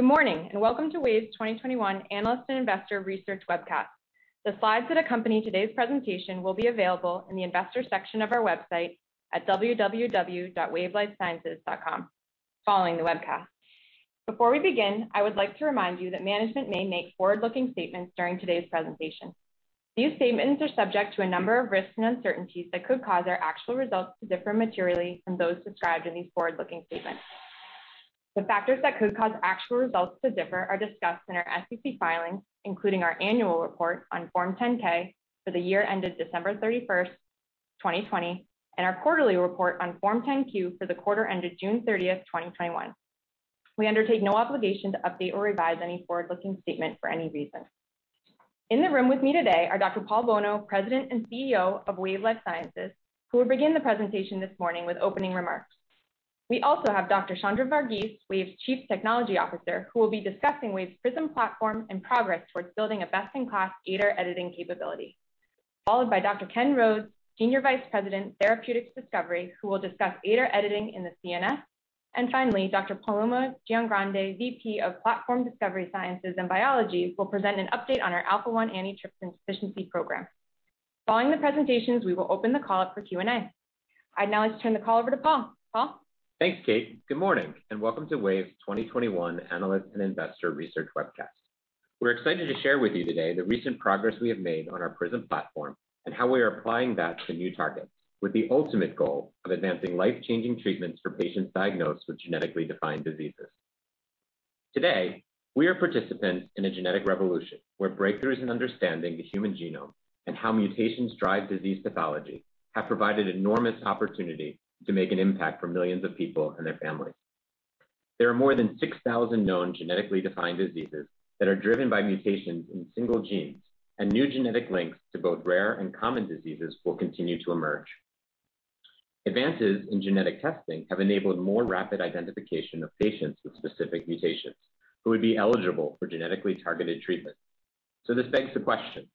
Good morning, welcome to Wave's 2021 Analyst and Investor Research Webcast. The slides that accompany today's presentation will be available in the Investors section of our website at www.wavelifesciences.com following the webcast. Before we begin, I would like to remind you that management may make forward-looking statements during today's presentation. These statements are subject to a number of risks and uncertainties that could cause our actual results to differ materially from those described in these forward-looking statements. The factors that could cause actual results to differ are discussed in our SEC filings, including our annual report on Form 10-K for the year ended December 31st, 2020, and our quarterly report on Form 10-Q for the quarter ended June 30th, 2021. We undertake no obligation to update or revise any forward-looking statement for any reason. In the room with me today are Dr. Paul Bolno, President and CEO of Wave Life Sciences, who will begin the presentation this morning with opening remarks. We also have Dr. Chandra Vargeese, Wave's Chief Technology Officer, who will be discussing Wave's PRISM platform and progress towards building a best-in-class ADAR editing capability, followed by Dr. Ken Rhodes, Senior Vice President, Therapeutics Discovery, who will discuss ADAR editing in the CNS. Finally, Dr. Paloma Giangrande, VP of Platform Discovery Sciences and Biology, will present an update on our Alpha-1 Antitrypsin Deficiency program. Following the presentations, we will open the call up for Q&A. I'd now like to turn the call over to Paul. Paul? Thanks, Kate. Good morning. Welcome to Wave's 2021 Analyst and Investor Research Webcast. We're excited to share with you today the recent progress we have made on our PRISM platform and how we are applying that to new targets with the ultimate goal of advancing life-changing treatments for patients diagnosed with genetically defined diseases. Today, we are participants in a genetic revolution where breakthroughs in understanding the human genome and how mutations drive disease pathology have provided enormous opportunity to make an impact for millions of people and their families. There are more than 6,000 known genetically defined diseases that are driven by mutations in single genes, and new genetic links to both rare and common diseases will continue to emerge. Advances in genetic testing have enabled more rapid identification of patients with specific mutations who would be eligible for genetically targeted treatment. This begs the question,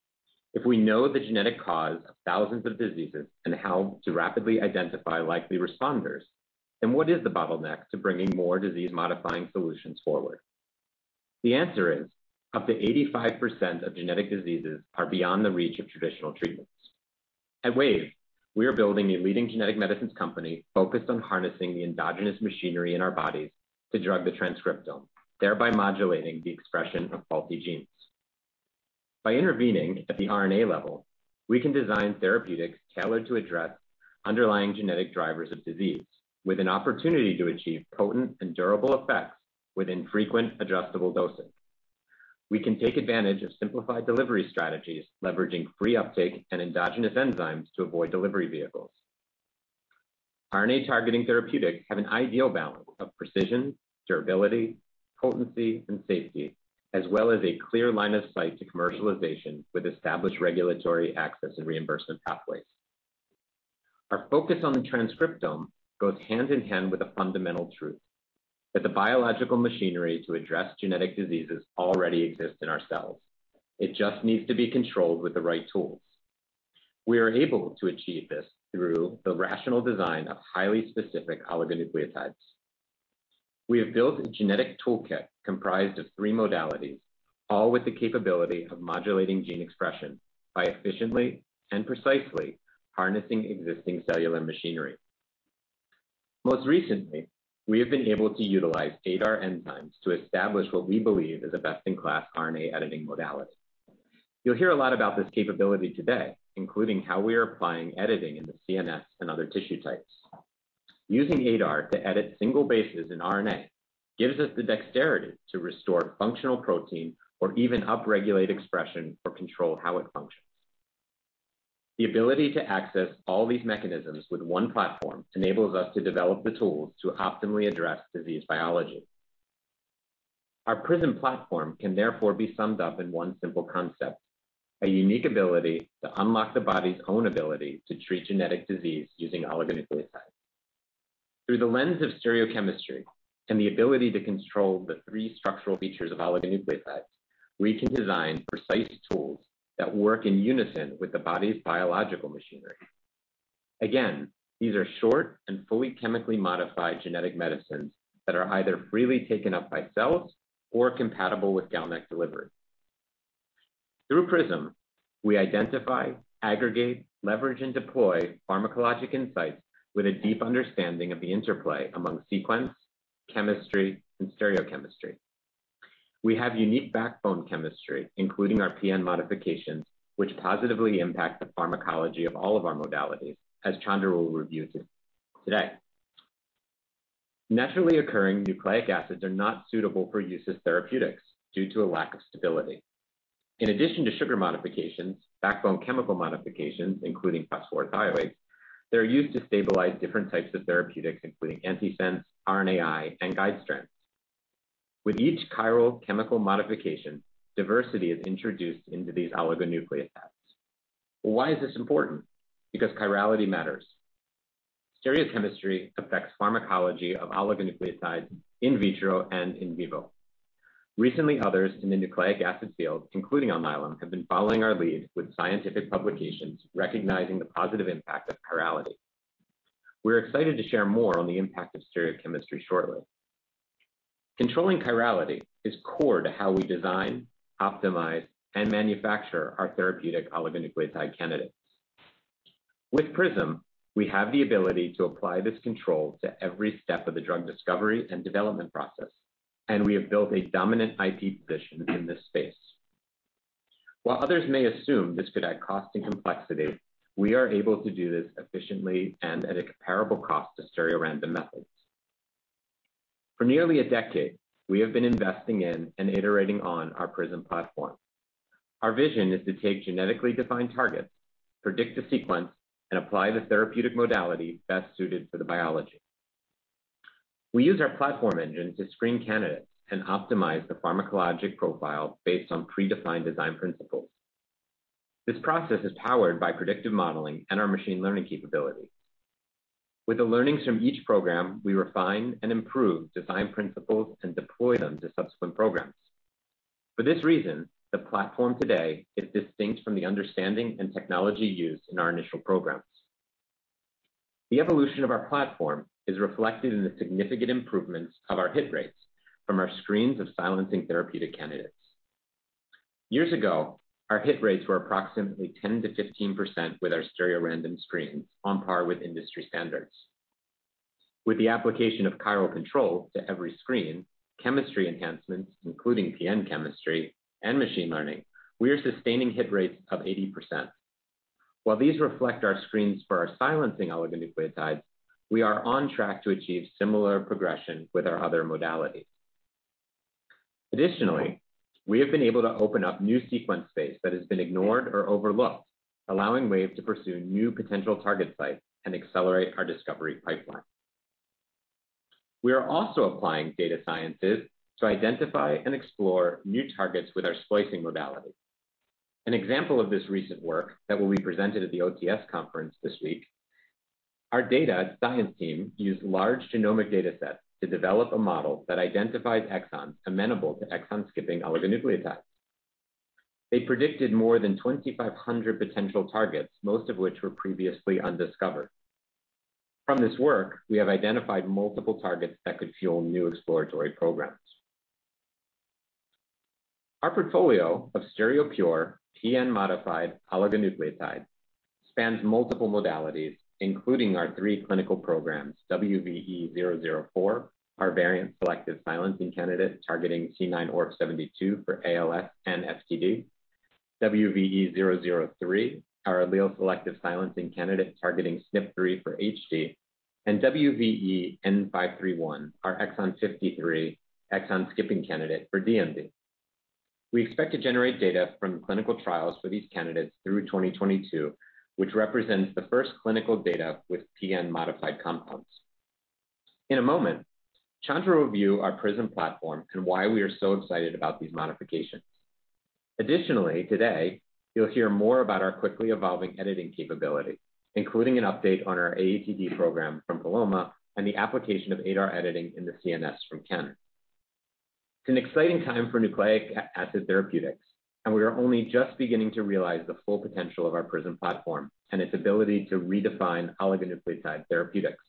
if we know the genetic cause of thousands of diseases and how to rapidly identify likely responders, then what is the bottleneck to bringing more disease-modifying solutions forward? The answer is up to 85% of genetic diseases are beyond the reach of traditional treatments. At Wave, we are building a leading genetic medicines company focused on harnessing the endogenous machinery in our bodies to drug the transcriptome, thereby modulating the expression of faulty genes. By intervening at the RNA level, we can design therapeutics tailored to address underlying genetic drivers of disease with an opportunity to achieve potent and durable effects with infrequent adjustable dosing. We can take advantage of simplified delivery strategies, leveraging free uptake and endogenous enzymes to avoid delivery vehicles. RNA-targeting therapeutics have an ideal balance of precision, durability, potency, and safety, as well as a clear line of sight to commercialization with established regulatory access and reimbursement pathways. Our focus on the transcriptome goes hand-in-hand with a fundamental truth that the biological machinery to address genetic diseases already exist in our cells. It just needs to be controlled with the right tools. We are able to achieve this through the rational design of highly specific oligonucleotides. We have built a genetic toolkit comprised of three modalities, all with the capability of modulating gene expression by efficiently and precisely harnessing existing cellular machinery. Most recently, we have been able to utilize ADAR enzymes to establish what we believe is a best-in-class RNA editing modality. You'll hear a lot about this capability today, including how we are applying editing in the CNS and other tissue types. Using ADAR to edit single bases in RNA gives us the dexterity to restore functional protein or even upregulate expression or control how it functions. The ability to access all these mechanisms with one platform enables us to develop the tools to optimally address disease biology. Our PRISM platform can therefore be summed up in one simple concept, a unique ability to unlock the body's own ability to treat genetic disease using oligonucleotides. Through the lens of stereochemistry and the ability to control the three structural features of oligonucleotides, we can design precise tools that work in unison with the body's biological machinery. Again, these are short and fully chemically modified genetic medicines that are either freely taken up by cells or compatible with GalNAc delivery. Through PRISM, we identify, aggregate, leverage, and deploy pharmacologic insights with a deep understanding of the interplay among sequence, chemistry, and stereochemistry. We have unique backbone chemistry, including our PN modifications, which positively impact the pharmacology of all of our modalities, as Chandra will review today. Naturally occurring nucleic acids are not suitable for use as therapeutics due to a lack of stability. In addition to sugar modifications, backbone chemical modifications, including phosphorothioates, are used to stabilize different types of therapeutics, including antisense, RNAi, and guide strands. With each chiral chemical modification, diversity is introduced into these oligonucleotides. Why is this important? Because chirality matters. Stereochemistry affects pharmacology of oligonucleotides in vitro and in vivo. Recently, others in the nucleic acid field, including Alnylam, have been following our lead with scientific publications recognizing the positive impact of chirality. We are excited to share more on the impact of stereochemistry shortly. Controlling chirality is core to how we design, optimize, and manufacture our therapeutic oligonucleotide candidates. With PRISM, we have the ability to apply this control to every step of the drug discovery and development process, and we have built a dominant IP position in this space. While others may assume this could add cost and complexity, we are able to do this efficiently and at a comparable cost to stereorandom methods. For nearly a decade, we have been investing in and iterating on our PRISM platform. Our vision is to take genetically defined targets, predict a sequence, and apply the therapeutic modality best suited for the biology. We use our platform engine to screen candidates and optimize the pharmacologic profile based on predefined design principles. This process is powered by predictive modeling and our machine learning capabilities. With the learnings from each program, we refine and improve design principles and deploy them to subsequent programs. For this reason, the platform today is distinct from the understanding and technology used in our initial programs. The evolution of our platform is reflected in the significant improvements of our hit rates from our screens of silencing therapeutic candidates. Years ago, our hit rates were approximately 10%-15% with our stereorandom screens, on par with industry standards. With the application of chiral control to every screen, chemistry enhancements, including PN chemistry and machine learning, we are sustaining hit rates of 80%. While these reflect our screens for our silencing oligonucleotides, we are on track to achieve similar progression with our other modalities. Additionally, we have been able to open up new sequence space that has been ignored or overlooked, allowing Wave to pursue new potential target sites and accelerate our discovery pipeline. We are also applying data sciences to identify and explore new targets with our splicing modality. An example of this recent work that will be presented at the OTS conference this week, our data science team used large genomic data sets to develop a model that identifies exons amenable to exon-skipping oligonucleotides. They predicted more than 2,500 potential targets, most of which were previously undiscovered. From this work, we have identified multiple targets that could fuel new exploratory programs. Our portfolio of stereopure PN-modified oligonucleotides spans multiple modalities, including our three clinical programs, WVE-004, our variant selective silencing candidate targeting C9orf72 for ALS and FTD, WVE-003, our allele selective silencing candidate targeting SNP 3 for HD, and WVE-N531, our exon 53 exon-skipping candidate for DMD. We expect to generate data from clinical trials for these candidates through 2022, which represents the first clinical data with PN-modified compounds. In a moment, Chandra will review our PRISM platform and why we are so excited about these modifications. Additionally, today you'll hear more about our quickly evolving editing capability, including an update on our AATD program from Paloma and the application of ADAR editing in the CNS from Ken. It's an exciting time for nucleic acid therapeutics, and we are only just beginning to realize the full potential of our PRISM platform and its ability to redefine oligonucleotide therapeutics.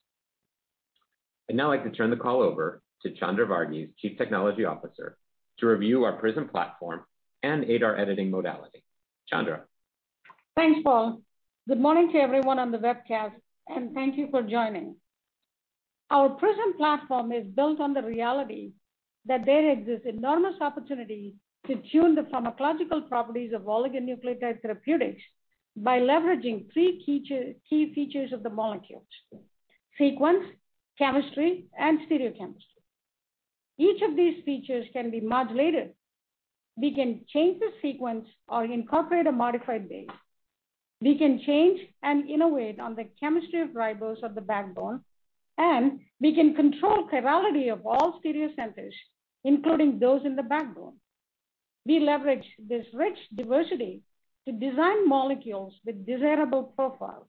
I'd now like to turn the call over to Chandra Vargeese, Chief Technology Officer, to review our PRISM platform and ADAR editing modality. Chandra? Thanks, Paul. Good morning to everyone on the webcast, and thank you for joining. Our PRISM platform is built on the reality that there exists enormous opportunity to tune the pharmacological properties of oligonucleotide therapeutics by leveraging three key features of the molecules, sequence, chemistry, and stereochemistry. Each of these features can be modulated. We can change the sequence or incorporate a modified base. We can change and innovate on the chemistry of ribose of the backbone, and we can control chirality of all stereocenters, including those in the backbone. We leverage this rich diversity to design molecules with desirable profiles.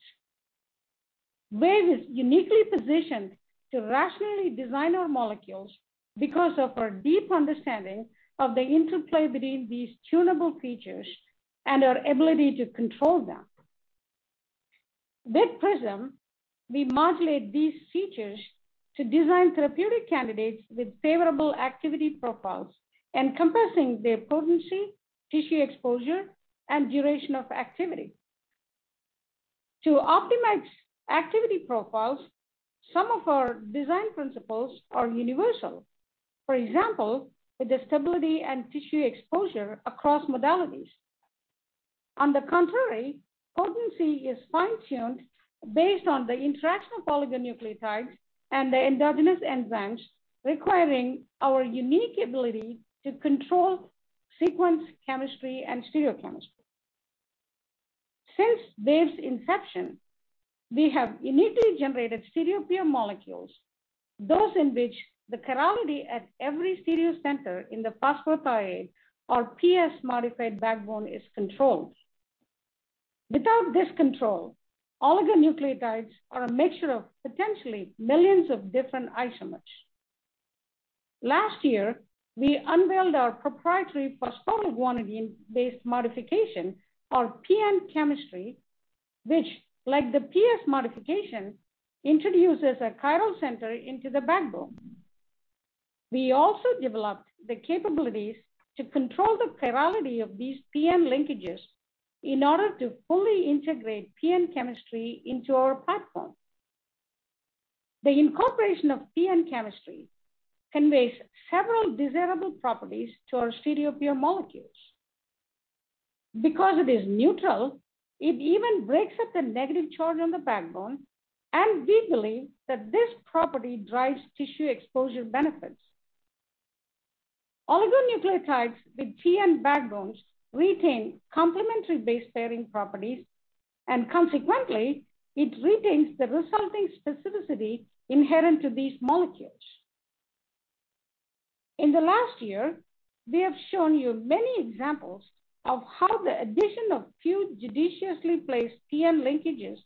Wave is uniquely positioned to rationally design our molecules because of our deep understanding of the interplay between these tunable features and our ability to control them. With PRISM, we modulate these features to design therapeutic candidates with favorable activity profiles, encompassing their potency, tissue exposure, and duration of activity. To optimize activity profiles, some of our design principles are universal. For example, the stability and tissue exposure across modalities. On the contrary, potency is fine-tuned based on the interaction of oligonucleotides and the endogenous enzymes, requiring our unique ability to control sequence, chemistry, and stereochemistry. Since Wave's inception, we have uniquely generated stereopure molecules, those in which the chirality at every stereocenter in the phosphorothioate or PS-modified backbone is controlled. Without this control, oligonucleotides are a mixture of potentially millions of different isomers. Last year, we unveiled our proprietary phosphoryl guanidine-based modification, or PN chemistry, which like the PS modification, introduces a chiral center into the backbone. We also developed the capabilities to control the chirality of these PN linkages in order to fully integrate PN chemistry into our platform. The incorporation of PN chemistry conveys several desirable properties to our stereopure molecules. Because it is neutral, it even breaks up the negative charge on the backbone, and we believe that this property drives tissue exposure benefits. Oligonucleotides with PN backbones retain complementary base pairing properties, and consequently, it retains the resulting specificity inherent to these molecules. In the last year, we have shown you many examples of how the addition of few judiciously placed PN linkages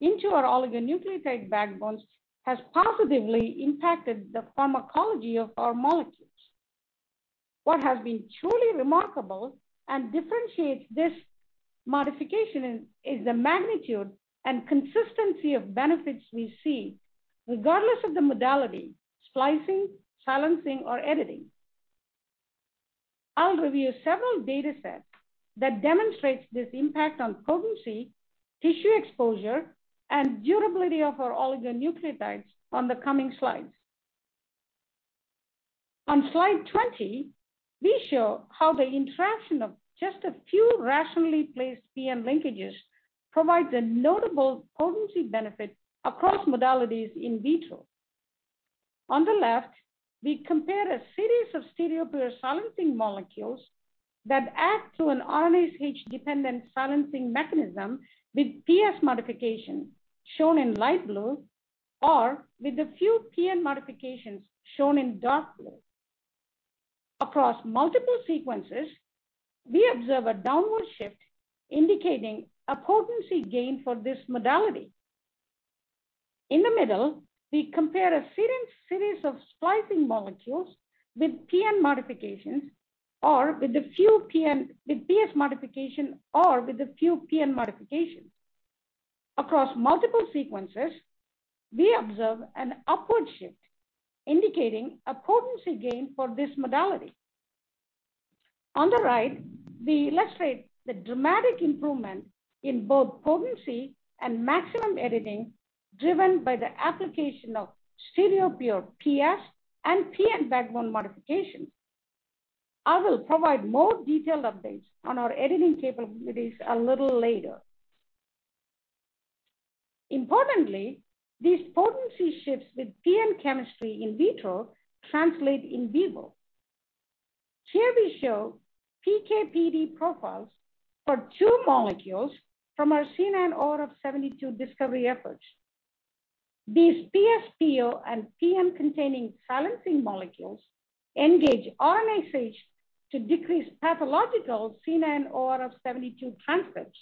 into our oligonucleotide backbones has positively impacted the pharmacology of our molecules. What has been truly remarkable and differentiates this modification is the magnitude and consistency of benefits we see regardless of the modality, splicing, silencing, or editing. I'll review several datasets that demonstrates this impact on potency, tissue exposure, and durability of our oligonucleotides on the coming slides. On slide 20, we show how the interaction of just a few rationally placed PN linkages provide a notable potency benefit across modalities in vitro. On the left, we compare a series of stereopure silencing molecules that act through an RNA-dependent silencing mechanism with PS modification, shown in light blue, or with a few PN modifications, shown in dark blue. Across multiple sequences, we observe a downward shift indicating a potency gain for this modality. In the middle, we compare a series of splicing molecules with PN modifications, or with the few PS modification, or with a few PN modifications. Across multiple sequences, we observe an upward shift indicating a potency gain for this modality. On the right, we illustrate the dramatic improvement in both potency and maximum editing driven by the application of stereopure PS and PN backbone modifications. I will provide more detailed updates on our editing capabilities a little later. Importantly, these potency shifts with PN chemistry in vitro translate in vivo. Here we show PK/PD profiles for two molecules from our C9orf72 discovery efforts. These PS-PO and PN-containing silencing molecules engage RNase H to decrease pathological C9orf72 transcripts,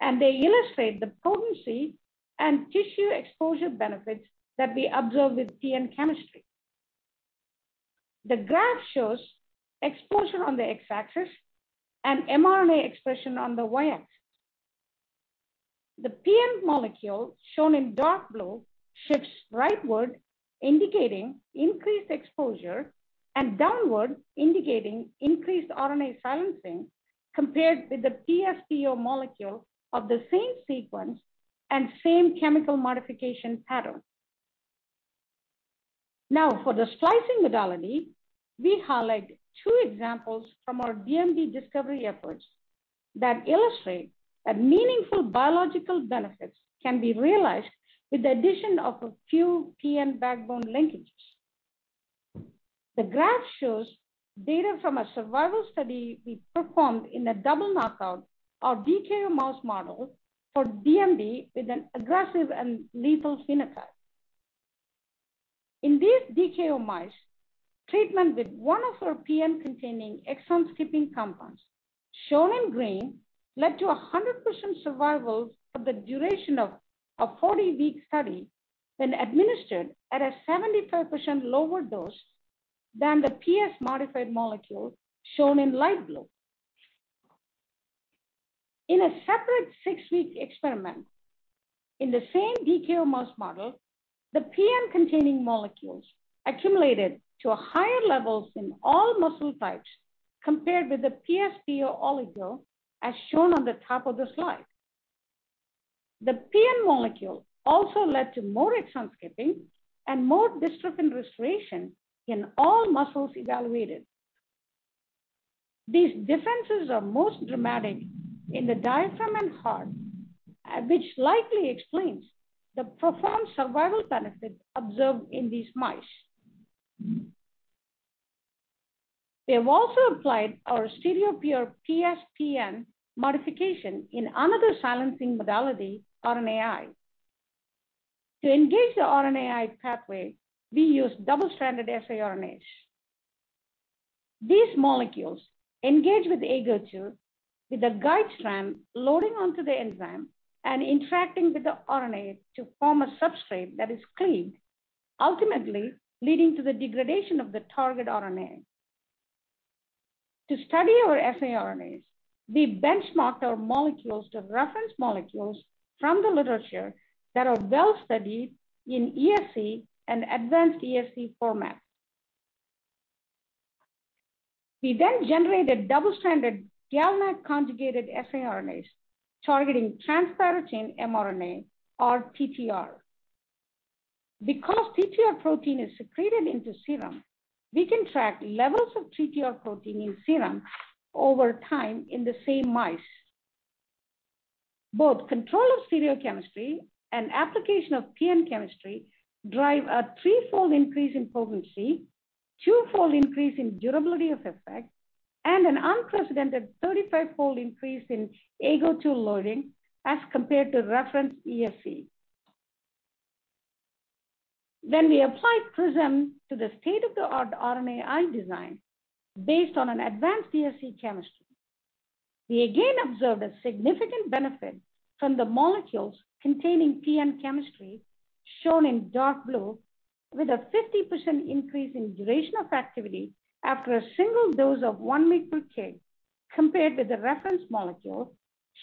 and they illustrate the potency and tissue exposure benefits that we observe with PN chemistry. The graph shows exposure on the X-axis and mRNA expression on the Y-axis. The PN molecule, shown in dark blue, shifts rightward, indicating increased exposure, and downward, indicating increased RNA silencing compared with the PS-PO molecule of the same sequence and same chemical modification pattern. Now, for the splicing modality, we highlight two examples from our DMD discovery efforts that illustrate that meaningful biological benefits can be realized with the addition of a few PN backbone linkages. The graph shows data from a survival study we performed in a double knockout or DKO mouse model for DMD with an aggressive and lethal phenotype. In these DKO mice, treatment with one of our PN-containing exons skipping compounds, shown in green, led to 100% survival for the duration of a 40-week study when administered at a 75% lower dose than the PS-modified molecule, shown in light blue. In a separate six-week experiment in the same DKO mouse model, the PN-containing molecules accumulated to higher levels in all muscle types compared with the PS-PO oligo, as shown on the top of the slide. The PN molecule also led to more exon skipping and more dystrophin restoration in all muscles evaluated. These differences are most dramatic in the diaphragm and heart, which likely explains the profound survival benefit observed in these mice. We have also applied our stereopure PS-PN modification in another silencing modality, RNAi. To engage the RNAi pathway, we use double-stranded saRNAs. These molecules engage with AGO2, with the guide strand loading onto the enzyme and interacting with the RNA to form a substrate that is cleaved, ultimately leading to the degradation of the target RNA. To study our saRNAs, we benchmarked our molecules to reference molecules from the literature that are well-studied in ESE and advanced ESE formats. We generated double-stranded GalNAc conjugated saRNAs targeting transthyretin mRNA or TTR. Because TTR protein is secreted into serum, we can track levels of TTR protein in serum over time in the same mice. Both control of stereochemistry and application of PN chemistry drive a three-fold increase in potency, two-fold increase in durability of effect, and an unprecedented 35-fold increase in AGO2 loading as compared to reference ESE. We applied PRISM to the state-of-the-art RNAi design based on an advanced ESE chemistry. We again observed a significant benefit from the molecules containing PN chemistry, shown in dark blue, with a 50% increase in duration of activity after a single dose of 1 mg per kg compared with the reference molecule,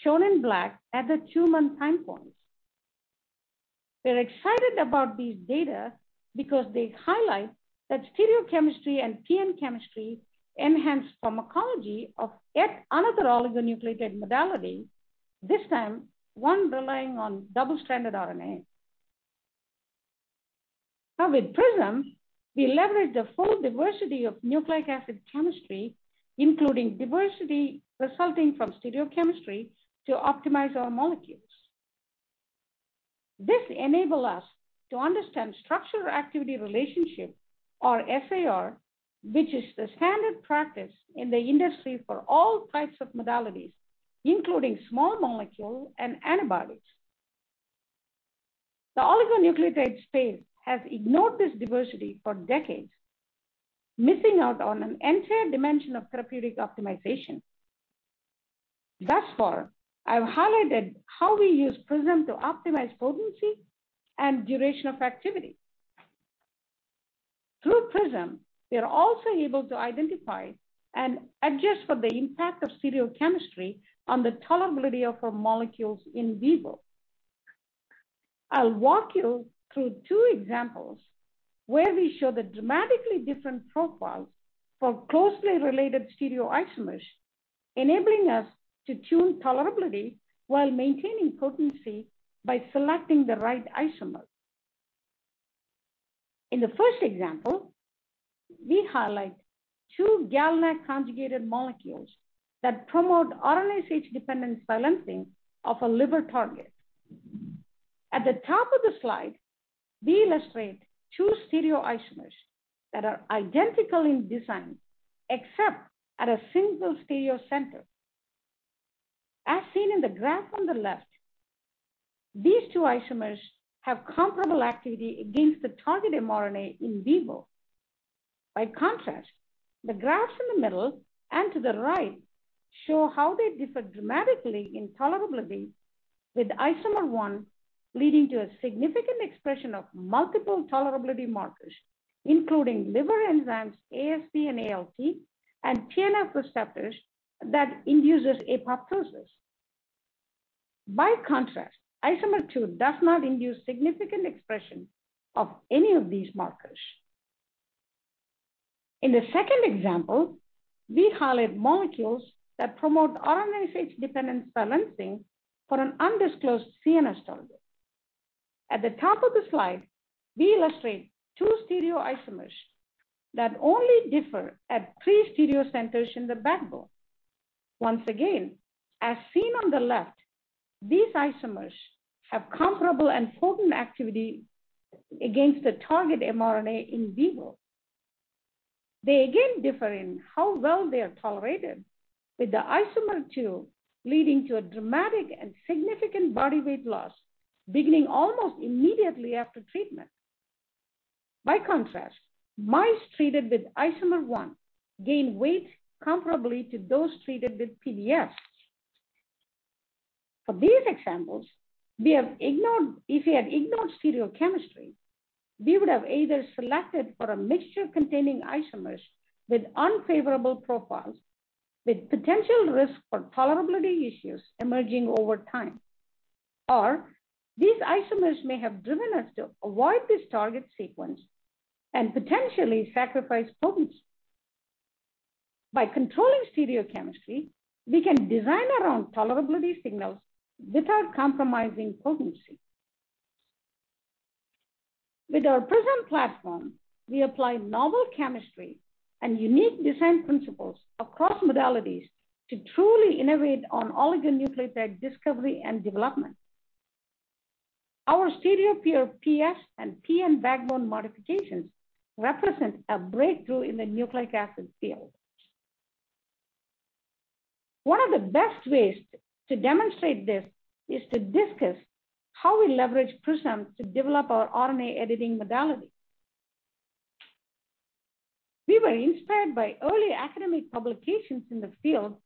shown in black, at the two-month time points. We're excited about these data because they highlight that stereochemistry and PN chemistry enhance pharmacology of yet another oligonucleotide modality, this time one relying on double-stranded RNA. With PRISM, we leverage the full diversity of nucleic acid chemistry, including diversity resulting from stereochemistry, to optimize our molecules. This enable us to understand structural activity relationship, or SAR, which is the standard practice in the industry for all types of modalities, including small molecule and antibodies. The oligonucleotide space has ignored this diversity for decades, missing out on an entire dimension of therapeutic optimization. Thus far, I've highlighted how we use PRISM to optimize potency and duration of activity. Through PRISM, we are also able to identify and adjust for the impact of stereochemistry on the tolerability of our molecules in vivo. I'll walk you through two examples where we show the dramatically different profiles for closely related stereoisomers, enabling us to tune tolerability while maintaining potency by selecting the right isomer. In the first example, we highlight two GalNAc conjugated molecules that promote RNA-dependent silencing of a liver target. At the top of the slide, we illustrate two stereoisomers that are identical in design except at a single stereocenter. As seen in the graph on the left, these two isomers have comparable activity against the target mRNA in vivo. The graphs in the middle and to the right show how they differ dramatically in tolerability, with isomer 1 leading to a significant expression of multiple tolerability markers, including liver enzymes AST and ALT, and TNF receptors that induces apoptosis. Isomer 2 does not induce significant expression of any of these markers. In the second example, we highlight molecules that promote RNA-dependent silencing for an undisclosed CNS target. At the top of the slide, we illustrate two stereoisomers that only differ at three stereocenters in the backbone. Once again, as seen on the left, these isomers have comparable and potent activity against the target mRNA in vivo. They again differ in how well they are tolerated, with the isomer 2 leading to a dramatic and significant body weight loss beginning almost immediately after treatment. By contrast, mice treated with isomer 1 gain weight comparably to those treated with PS. For these examples, if we had ignored stereochemistry, we would have either selected for a mixture containing isomers with unfavorable profiles, with potential risk for tolerability issues emerging over time. These isomers may have driven us to avoid this target sequence and potentially sacrifice potency. By controlling stereochemistry, we can design around tolerability signals without compromising potency. With our PRISM platform, we apply novel chemistry and unique design principles across modalities to truly innovate on oligonucleotide discovery and development. Our stereopure PS and PN backbone modifications represent a breakthrough in the nucleic acid field. One of the best ways to demonstrate this is to discuss how we leverage PRISM to develop our RNA editing modality. We were inspired by early academic publications in the field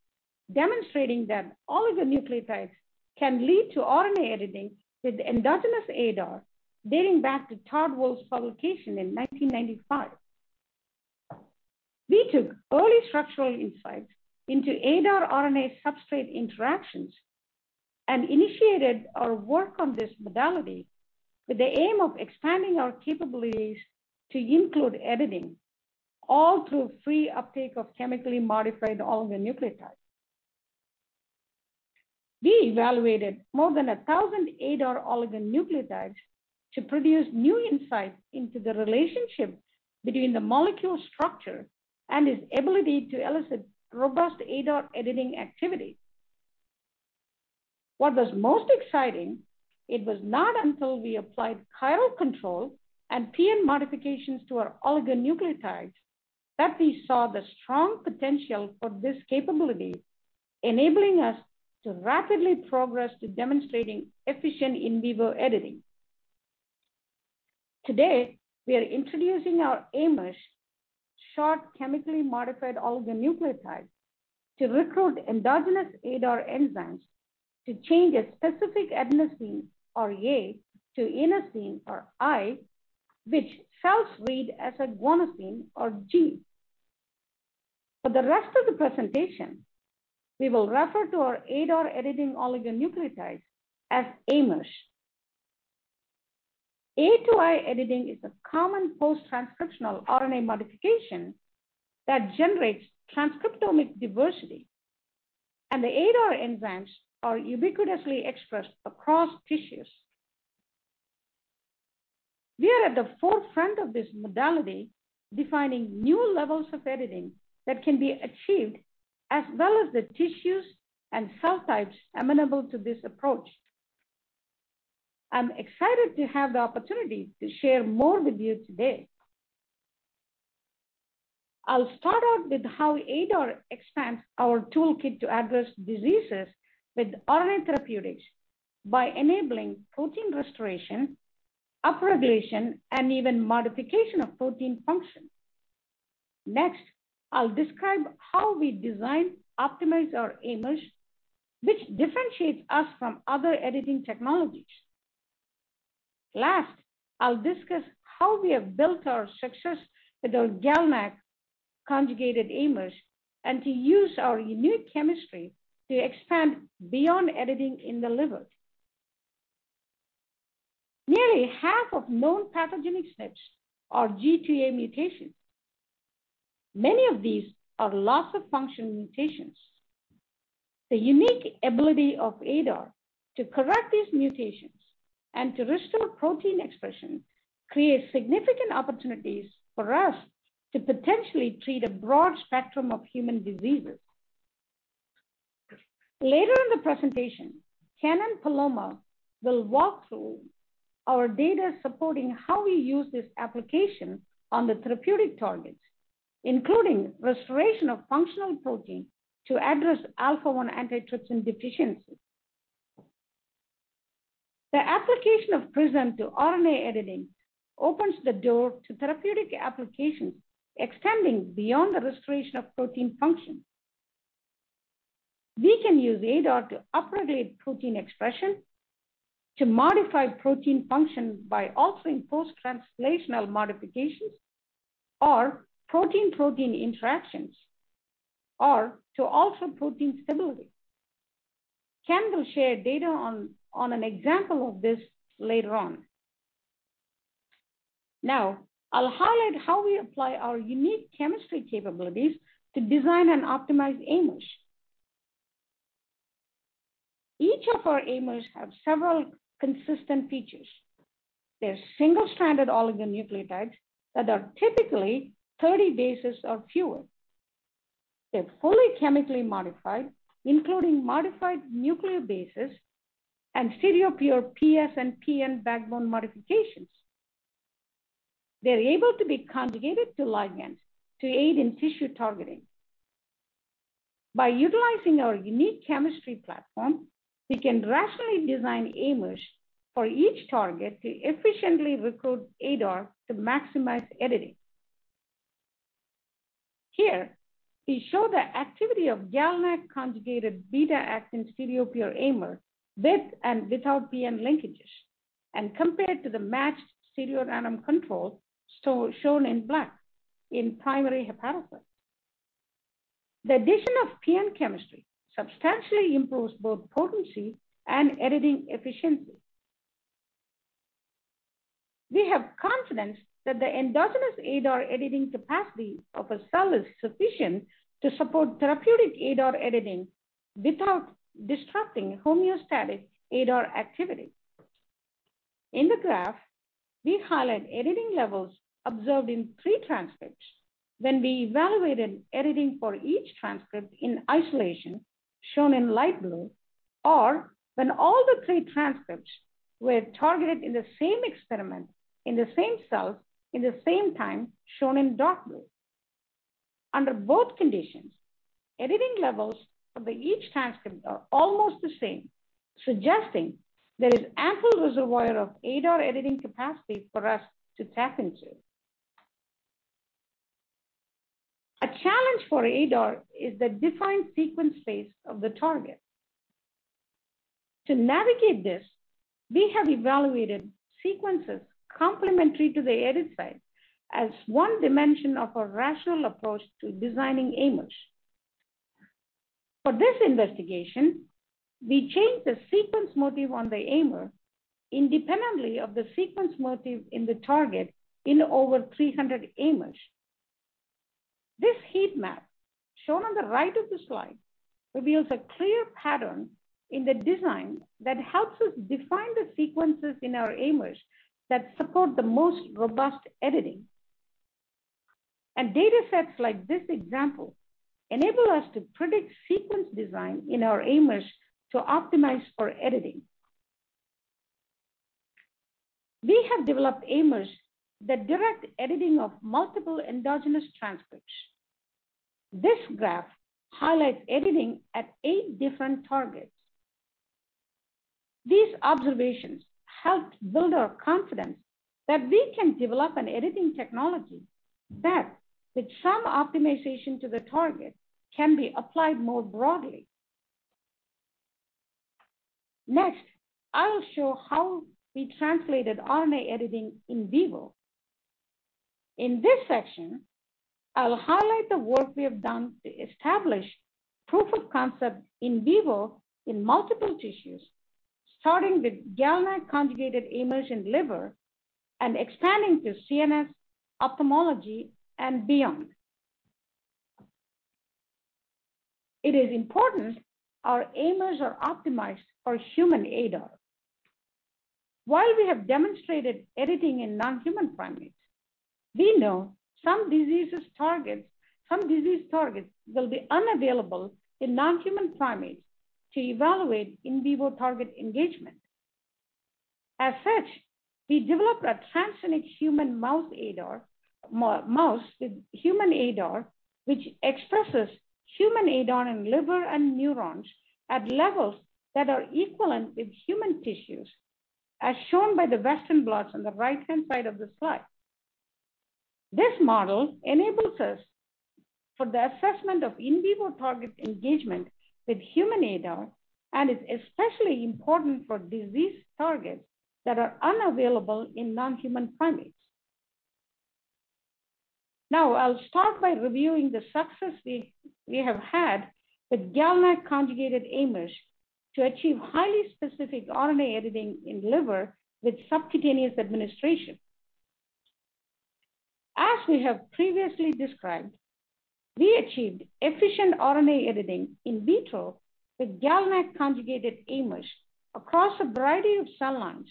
demonstrating that oligonucleotides can lead to RNA editing with endogenous ADAR, dating back to Todd Woolf's publication in 1995. We took early structural insights into ADAR RNA substrate interactions and initiated our work on this modality with the aim of expanding our capabilities to include editing, all through free uptake of chemically modified oligonucleotides. We evaluated more than 1,000 ADAR oligonucleotides to produce new insights into the relationship between the molecule structure and its ability to elicit robust ADAR editing activity. What was most exciting, it was not until we applied chiral control and PN modifications to our oligonucleotides that we saw the strong potential for this capability, enabling us to rapidly progress to demonstrating efficient in vivo editing. Today, we are introducing our AIMers short chemically modified oligonucleotide to recruit endogenous ADAR enzymes to change a specific adenosine, or A, to inosine, or I, which cells read as a guanosine or G. For the rest of the presentation, we will refer to our ADAR editing oligonucleotides as AIMers. A-to-I editing is a common post-transcriptional RNA modification that generates transcriptomic diversity. The ADAR enzymes are ubiquitously expressed across tissues. We are at the forefront of this modality, defining new levels of editing that can be achieved, as well as the tissues and cell types amenable to this approach. I'm excited to have the opportunity to share more with you today. I'll start out with how ADAR expands our toolkit to address diseases with RNA therapeutics by enabling protein restoration, upregulation, and even modification of protein function. I'll describe how we design, optimize our AIMers, which differentiates us from other editing technologies. I'll discuss how we have built our success with our GalNAc conjugated AIMers and to use our unique chemistry to expand beyond editing in the liver. Nearly half of known pathogenic SNPs are G-to-A mutations. Many of these are loss-of-function mutations. The unique ability of ADAR to correct these mutations and to restore protein expression creates significant opportunities for us to potentially treat a broad spectrum of human diseases. Later in the presentation, Ken and Paloma will walk through our data supporting how we use this application on the therapeutic targets, including restoration of functional protein to address Alpha-1 Antitrypsin Deficiency. The application of PRISM to RNA editing opens the door to therapeutic applications extending beyond the restoration of protein function. We can use ADAR to upregulate protein expression, to modify protein function by altering post-translational modifications, or protein-protein interactions, or to alter protein stability. Ken will share data on an example of this later on. I'll highlight how we apply our unique chemistry capabilities to design and optimize AIMers. Each of our AIMers have several consistent features. They're single-stranded oligonucleotides that are typically 30 bases or fewer. They're fully chemically modified, including modified nuclear bases and stereopure PS and PN backbone modifications. They're able to be conjugated to ligands to aid in tissue targeting. By utilizing our unique chemistry platform, we can rationally design AIMers for each target to efficiently recruit ADAR to maximize editing. Here, we show the activity of GalNAc conjugated beta-actin stereopure AIMers with and without PN linkages, and compared to the matched stereorandom control, shown in black, in primary hepatocytes. The addition of PN chemistry substantially improves both potency and editing efficiency. We have confidence that the endogenous ADAR editing capacity of a cell is sufficient to support therapeutic ADAR editing without disrupting homeostatic ADAR activity. In the graph, we highlight editing levels observed in three transcripts when we evaluated editing for each transcript in isolation, shown in light blue, or when all the three transcripts were targeted in the same experiment, in the same cells, in the same time, shown in dark blue. Under both conditions, editing levels of each transcript are almost the same, suggesting there is ample reservoir of ADAR editing capacity for us to tap into. A challenge for ADAR is the defined sequence space of the target. To navigate this, we have evaluated sequences complementary to the edit site as one dimension of a rational approach to designing AIMers. For this investigation, we changed the sequence motif on the AIMers independently of the sequence motif in the target in over 300 AIMers. This heat map, shown on the right of the slide, reveals a clear pattern in the design that helps us define the sequences in our AIMers that support the most robust editing. Data sets like this example enable us to predict sequence design in our AIMers to optimize for editing. We have developed AIMers that direct editing of multiple endogenous transcripts. This graph highlights editing at eight different targets. These observations helped build our confidence that we can develop an editing technology that, with some optimization to the target, can be applied more broadly. Next, I'll show how we translated RNA editing in vivo. In this section, I'll highlight the work we have done to establish proof of concept in vivo in multiple tissues, starting with GalNAc-conjugated AIMers in liver and expanding to CNS, ophthalmology, and beyond. It is important our AIMers are optimized for human ADAR. While we have demonstrated editing in non-human primates, we know some disease targets will be unavailable in non-human primates to evaluate in vivo target engagement. As such, we developed a transgenic human mouse ADAR, mouse with human ADAR, which expresses human ADAR in liver and neurons at levels that are equivalent with human tissues, as shown by the Western blots on the right-hand side of the slide. This model enables us for the assessment of in vivo target engagement with human ADAR and is especially important for disease targets that are unavailable in non-human primates. I'll start by reviewing the success we have had with GalNAc-conjugated AIMers to achieve highly specific RNA editing in liver with subcutaneous administration. We have previously described, we achieved efficient RNA editing in vitro with GalNAc-conjugated AIMers across a variety of cell lines,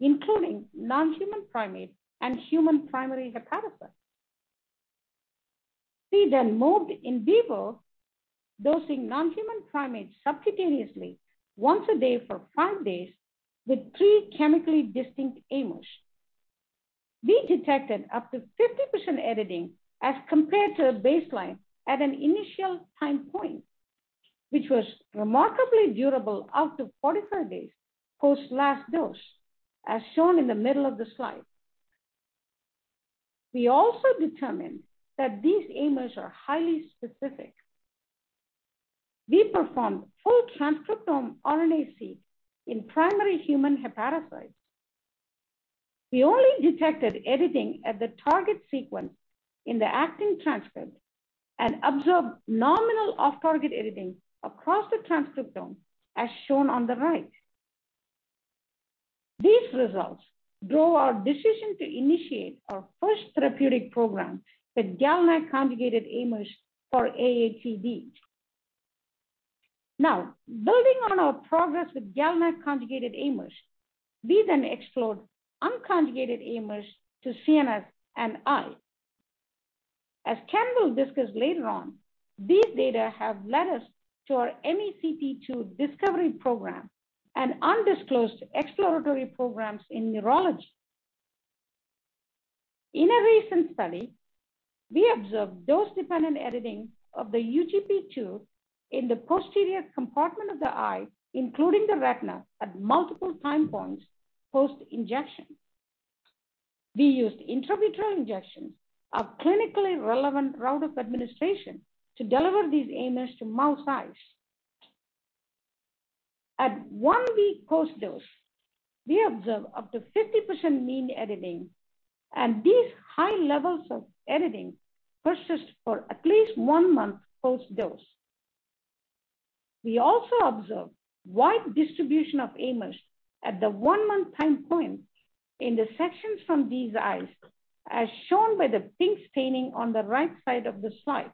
including non-human primate and human primary hepatocytes. We moved in vivo, dosing non-human primates subcutaneously once a day for five days with three chemically distinct AIMers. We detected up to 50% editing as compared to a baseline at an initial time point, which was remarkably durable up to 45 days post last dose, as shown in the middle of the slide. We also determined that these AIMers are highly specific. We performed full transcriptome RNA-seq in primary human hepatocytes. We only detected editing at the target sequence in the actin transcript and observed nominal off-target editing across the transcriptome, as shown on the right. These results drove our decision to initiate our first therapeutic program with GalNAc-conjugated AIMers for AATD. Building on our progress with GalNAc-conjugated AIMers, we then explored unconjugated AIMers to CNS and eye. As Ken will discuss later on, these data have led us to our MeCP2 discovery program and undisclosed exploratory programs in neurology. In a recent study, we observed dose-dependent editing of the UGP2 in the posterior compartment of the eye, including the retina, at multiple time points post-injection. We used intravitreal injections, a clinically relevant route of administration, to deliver these AIMers to mouse eyes. At one week post-dose, we observed up to 50% mean editing, and these high levels of editing persist for at least one month post-dose. We also observed wide distribution of AIMers at the one-month time point in the sections from these eyes, as shown by the pink staining on the right side of the slide.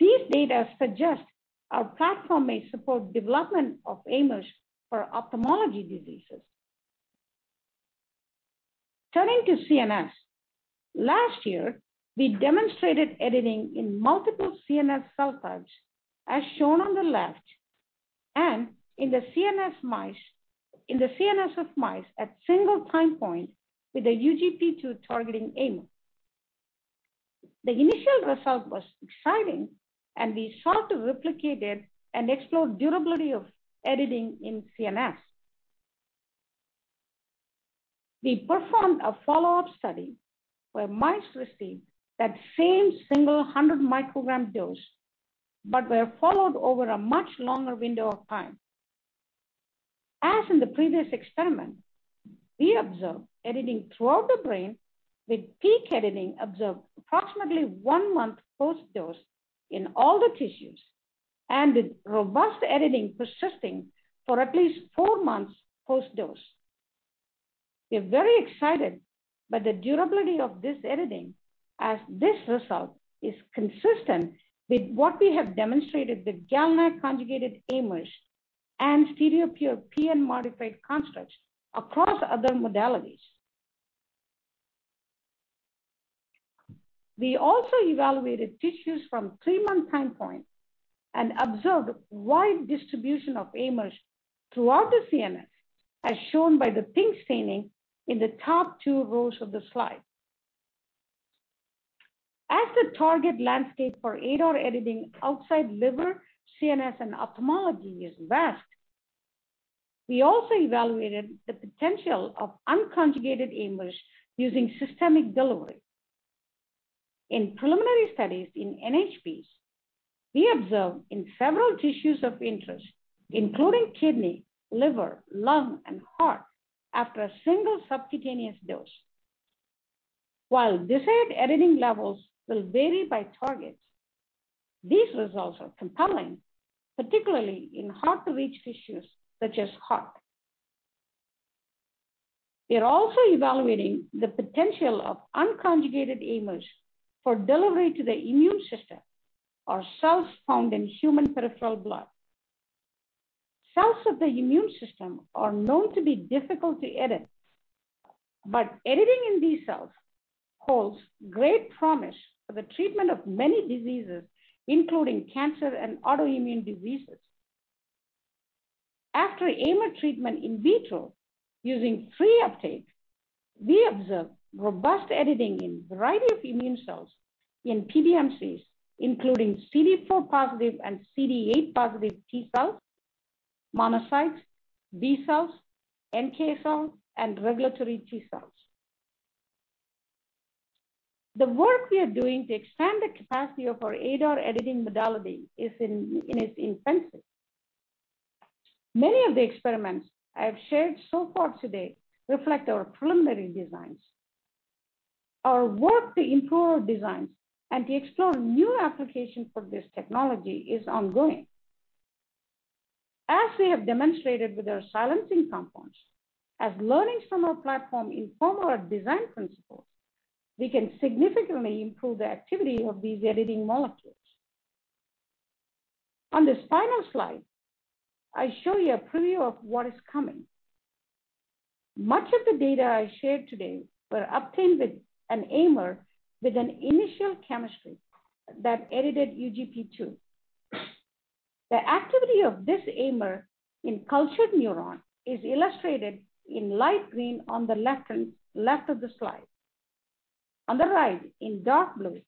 These data suggest our platform may support development of AIMers for ophthalmology diseases. Turning to CNS. Last year, we demonstrated editing in multiple CNS cell types, as shown on the left, and in the CNS of mice at single time point with a UGP2-targeting AIMer. The initial result was exciting, and we sought to replicate it and explore durability of editing in CNS. We performed a follow-up study where mice received that same single 100 mcg dose but were followed over a much longer window of time. As in the previous experiment, we observed editing throughout the brain, with peak editing observed approximately one-month post-dose in all the tissues, and with robust editing persisting for at least four months post-dose. We are very excited by the durability of this editing, as this result is consistent with what we have demonstrated with GalNAc-conjugated AIMers and CDLP or PN-modified constructs across other modalities. We also evaluated tissues from three-month time point and observed wide distribution of AIMers throughout the CNS, as shown by the pink staining in the top two rows of the slide. As the target landscape for ADAR editing outside liver, CNS, and ophthalmology is vast, we also evaluated the potential of unconjugated AIMers using systemic delivery. In preliminary studies in NHPs, we observed in several tissues of interest, including kidney, liver, lung, and heart, after a single subcutaneous dose. While desired editing levels will vary by target, these results are compelling, particularly in hard-to-reach tissues such as heart. We are also evaluating the potential of unconjugated AIMers for delivery to the immune system or cells found in human peripheral blood. Cells of the immune system are known to be difficult to edit, but editing in these cells holds great promise for the treatment of many diseases, including cancer and autoimmune diseases. After AIMer treatment in vitro using free uptake, we observed robust editing in a variety of immune cells in PBMCs, including CD4 positive and CD8 positive T cells, monocytes, B cells, NK cells, and regulatory T cells. The work we are doing to expand the capacity of our ADAR editing modality is in its infancy. Many of the experiments I have shared so far today reflect our preliminary designs. Our work to improve our designs and to explore new applications for this technology is ongoing. As we have demonstrated with our silencing compounds, as learnings from our platform inform our design principles, we can significantly improve the activity of these editing molecules. On this final slide, I show you a preview of what is coming. Much of the data I shared today were obtained with an AIMer with an initial chemistry that edited UGP2. The activity of this AIMer in cultured neurons is illustrated in light green on the left of the slide. On the right, in dark blue,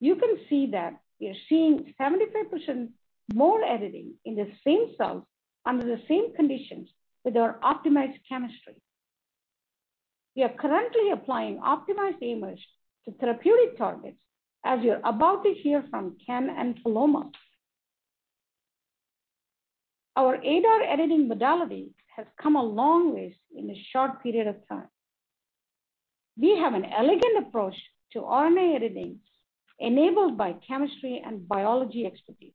you can see that we are seeing 75% more editing in the same cells under the same conditions with our optimized chemistry. We are currently applying optimized AIMers to therapeutic targets, as you're about to hear from Ken and Paloma. Our ADAR editing modality has come a long way in a short period of time. We have an elegant approach to RNA editing enabled by chemistry and biology expertise.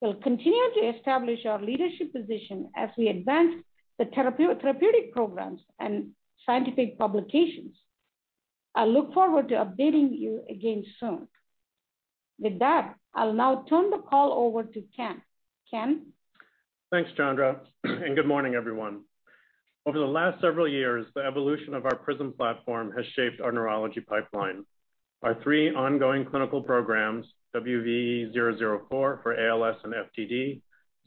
We'll continue to establish our leadership position as we advance the therapeutic programs and scientific publications. I look forward to updating you again soon. With that, I'll now turn the call over to Ken. Ken? Thanks, Chandra. Good morning, everyone. Over the last several years, the evolution of our PRISM platform has shaped our neurology pipeline. Our three ongoing clinical programs, WVE-004 for ALS and FTD,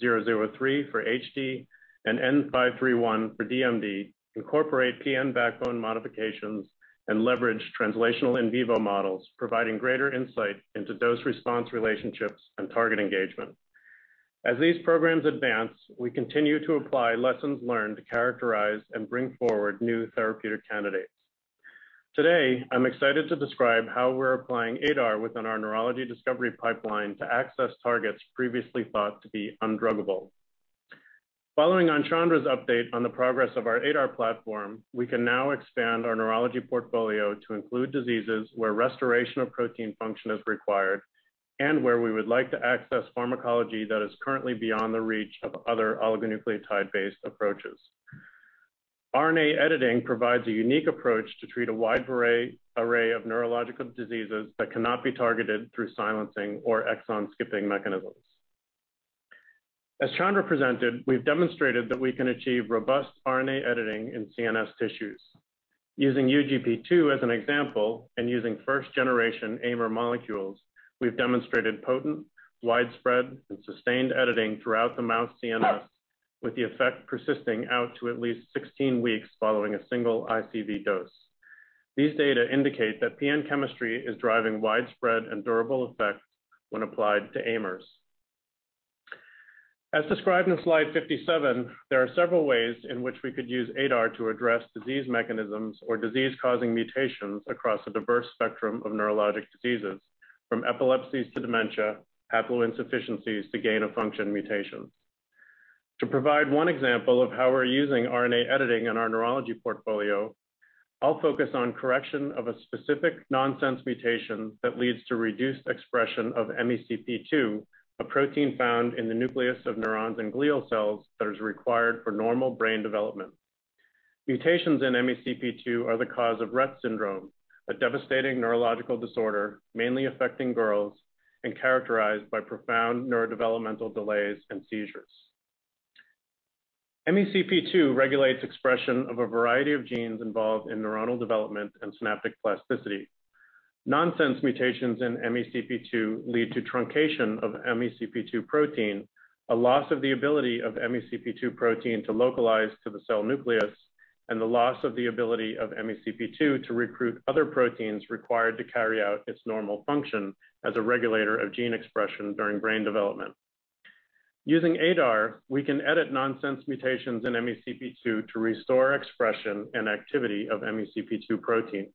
WVE-003 for HD, and WVE-N531 for DMD, incorporate PN backbone modifications and leverage translational in vivo models, providing greater insight into dose-response relationships and target engagement. As these programs advance, we continue to apply lessons learned to characterize and bring forward new therapeutic candidates. Today, I'm excited to describe how we're applying ADAR within our neurology discovery pipeline to access targets previously thought to be undruggable. Following on Chandra's update on the progress of our ADAR platform, we can now expand our neurology portfolio to include diseases where restoration of protein function is required and where we would like to access pharmacology that is currently beyond the reach of other oligonucleotide-based approaches. RNA editing provides a unique approach to treat a wide array of neurological diseases that cannot be targeted through silencing or exon-skipping mechanisms. As Chandra presented, we've demonstrated that we can achieve robust RNA editing in CNS tissues. Using UGP2 as an example and using first-generation AIMer molecules, we've demonstrated potent, widespread, and sustained editing throughout the mouse CNS, with the effect persisting out to at least 16 weeks following a single ICV dose. These data indicate that PN chemistry is driving widespread and durable effects when applied to AIMers. As described in slide 57, there are several ways in which we could use ADAR to address disease mechanisms or disease-causing mutations across a diverse spectrum of neurologic diseases, from epilepsies to dementia, haploinsufficiencies to gain-of-function mutations. To provide one example of how we're using RNA editing in our neurology portfolio, I'll focus on correction of a specific nonsense mutation that leads to reduced expression of MeCP2, a protein found in the nucleus of neurons and glial cells that is required for normal brain development. Mutations in MeCP2 are the cause of Rett syndrome, a devastating neurological disorder mainly affecting girls and characterized by profound neurodevelopmental delays and seizures. MeCP2 regulates expression of a variety of genes involved in neuronal development and synaptic plasticity. Nonsense mutations in MeCP2 lead to truncation of MeCP2 protein, a loss of the ability of MeCP2 protein to localize to the cell nucleus, and the loss of the ability of MeCP2 to recruit other proteins required to carry out its normal function as a regulator of gene expression during brain development. Using ADAR, we can edit nonsense mutations in MeCP2 to restore expression and activity of MeCP2 protein.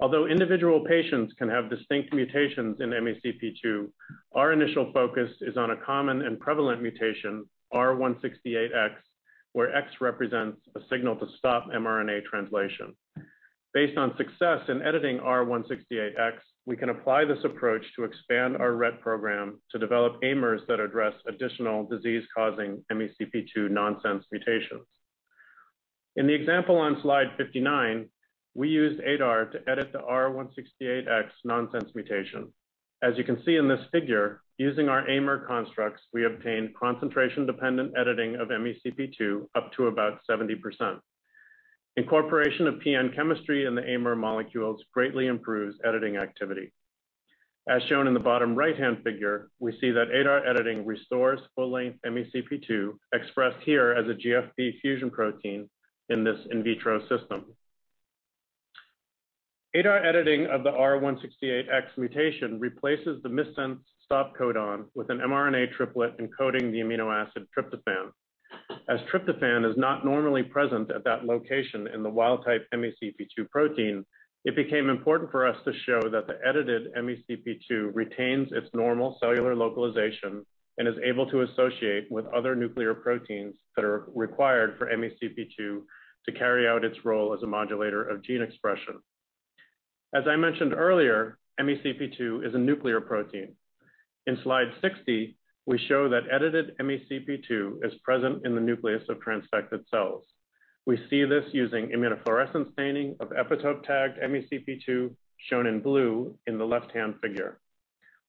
Although individual patients can have distinct mutations in MeCP2, our initial focus is on a common and prevalent mutation, R168X, where X represents a signal to stop mRNA translation. Based on success in editing R168X, we can apply this approach to expand our Rett program to develop AIMers that address additional disease-causing MeCP2 nonsense mutations. In the example on slide 59, we used ADAR to edit the R168X nonsense mutation. As you can see in this figure, using our AIMer constructs, we obtain concentration-dependent editing of MeCP2 up to about 70%. Incorporation of PN chemistry in the AIMer molecules greatly improves editing activity. As shown in the bottom right-hand figure, we see that ADAR editing restores full-length MeCP2, expressed here as a GFP fusion protein in this in vitro system. ADAR editing of the R168X mutation replaces the missense stop codon with an mRNA triplet encoding the amino acid tryptophan. As tryptophan is not normally present at that location in the wild-type MeCP2 protein, it became important for us to show that the edited MeCP2 retains its normal cellular localization and is able to associate with other nuclear proteins that are required for MeCP2 to carry out its role as a modulator of gene expression. As I mentioned earlier, MeCP2 is a nuclear protein. In slide 60, we show that edited MeCP2 is present in the nucleus of transfected cells. We see this using immunofluorescence staining of epitope-tagged MeCP2, shown in blue in the left-hand figure.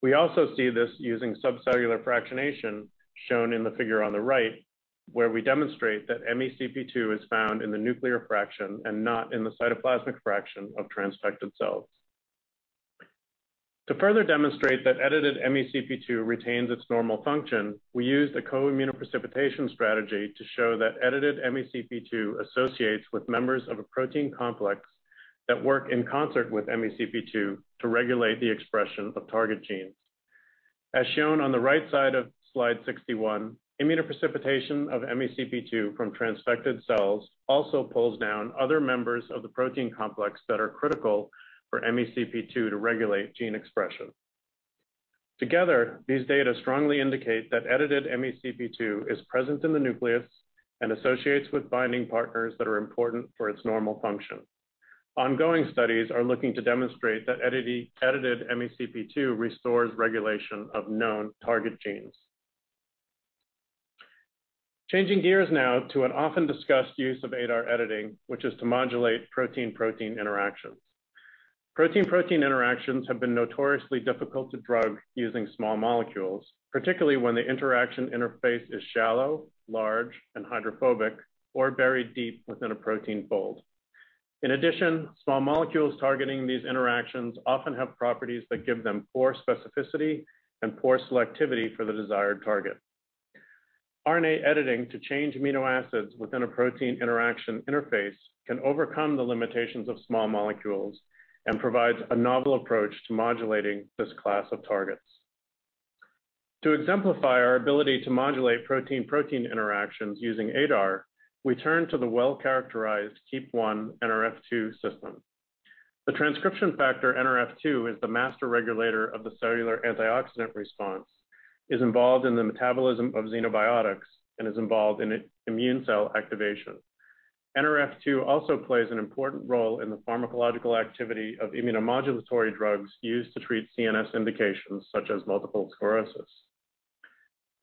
We also see this using subcellular fractionation, shown in the figure on the right, where we demonstrate that MeCP2 is found in the nuclear fraction and not in the cytoplasmic fraction of transfected cells. To further demonstrate that edited MeCP2 retains its normal function, we used a co-immunoprecipitation strategy to show that edited MeCP2 associates with members of a protein complex that work in concert with MeCP2 to regulate the expression of target genes. As shown on the right side of slide 61, immunoprecipitation of MeCP2 from transfected cells also pulls down other members of the protein complex that are critical for MeCP2 to regulate gene expression. Together, these data strongly indicate that edited MeCP2 is present in the nucleus and associates with binding partners that are important for its normal function. Ongoing studies are looking to demonstrate that edited MeCP2 restores regulation of known target genes. Changing gears now to an often-discussed use of ADAR editing, which is to modulate protein-protein interactions. Protein-protein interactions have been notoriously difficult to drug using small molecules, particularly when the interaction interface is shallow, large, and hydrophobic, or buried deep within a protein fold. In addition, small molecules targeting these interactions often have properties that give them poor specificity and poor selectivity for the desired target. RNA editing to change amino acids within a protein interaction interface can overcome the limitations of small molecules and provides a novel approach to modulating this class of targets. To exemplify our ability to modulate protein-protein interactions using ADAR, we turn to the well-characterized Keap1-Nrf2 system. The transcription factor Nrf2 is the master regulator of the cellular antioxidant response, is involved in the metabolism of xenobiotics, and is involved in immune cell activation. Nrf2 also plays an important role in the pharmacological activity of immunomodulatory drugs used to treat CNS indications such as multiple sclerosis.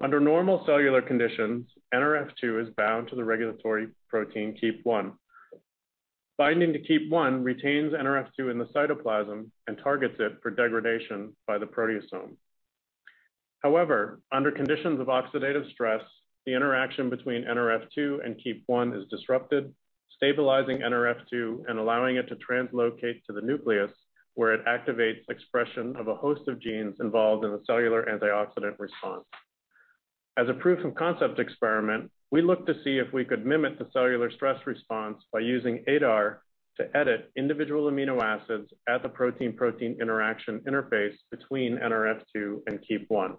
Under normal cellular conditions, Nrf2 is bound to the regulatory protein Keap1. Binding to Keap1 retains Nrf2 in the cytoplasm and targets it for degradation by the proteasome. However, under conditions of oxidative stress, the interaction between Nrf2 and Keap1 is disrupted, stabilizing Nrf2 and allowing it to translocate to the nucleus, where it activates expression of a host of genes involved in the cellular antioxidant response. As a proof of concept experiment, we looked to see if we could mimic the cellular stress response by using ADAR to edit individual amino acids at the protein-protein interaction interface between Nrf2 and Keap1.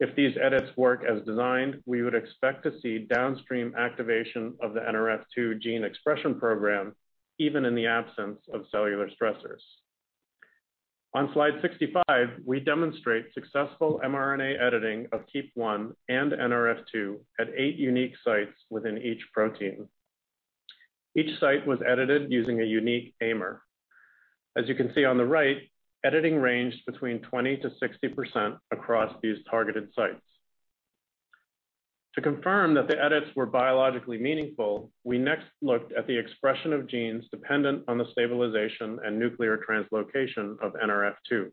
If these edits work as designed, we would expect to see downstream activation of the Nrf2 gene expression program, even in the absence of cellular stressors. On slide 65, we demonstrate successful mRNA editing of Keap1 and Nrf2 at eight unique sites within each protein. Each site was edited using a unique AIMer. As you can see on the right, editing ranged between 20%-60% across these targeted sites. To confirm that the edits were biologically meaningful, we next looked at the expression of genes dependent on the stabilization and nuclear translocation of Nrf2.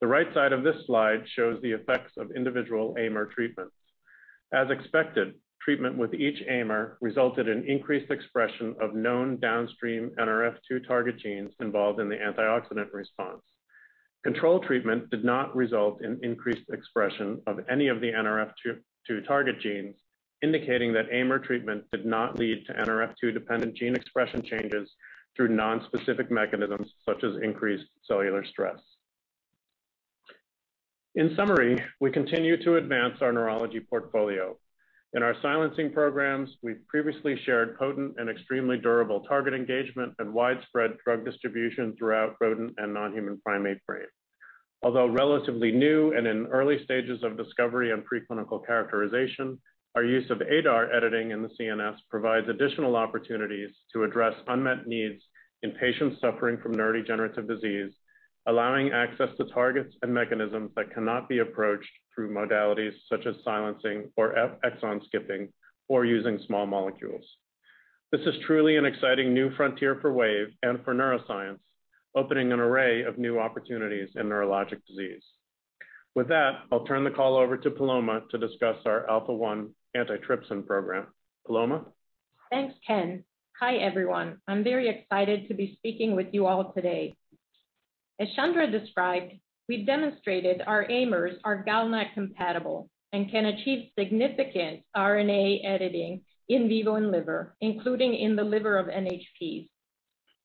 The right side of this slide shows the effects of individual AIMer treatments. As expected, treatment with each AIMer resulted in increased expression of known downstream Nrf2 target genes involved in the antioxidant response. Control treatment did not result in increased expression of any of the Nrf2 target genes, indicating that AIMer treatment did not lead to Nrf2-dependent gene expression changes through non-specific mechanisms such as increased cellular stress. In summary, we continue to advance our neurology portfolio. In our silencing programs, we've previously shared potent and extremely durable target engagement and widespread drug distribution throughout rodent and non-human primate brain. Although relatively new and in early stages of discovery and pre-clinical characterization, our use of ADAR editing in the CNS provides additional opportunities to address unmet needs in patients suffering from neurodegenerative disease, allowing access to targets and mechanisms that cannot be approached through modalities such as silencing or exon skipping, or using small molecules. This is truly an exciting new frontier for Wave and for neuroscience, opening an array of new opportunities in neurologic disease. With that, I'll turn the call over to Paloma to discuss our Alpha-1 Antitrypsin program. Paloma? Thanks, Ken. Hi, everyone. I'm very excited to be speaking with you all today. As Chandra described, we've demonstrated our AIMers are GalNAc compatible and can achieve significant RNA editing in vivo in liver, including in the liver of NHPs.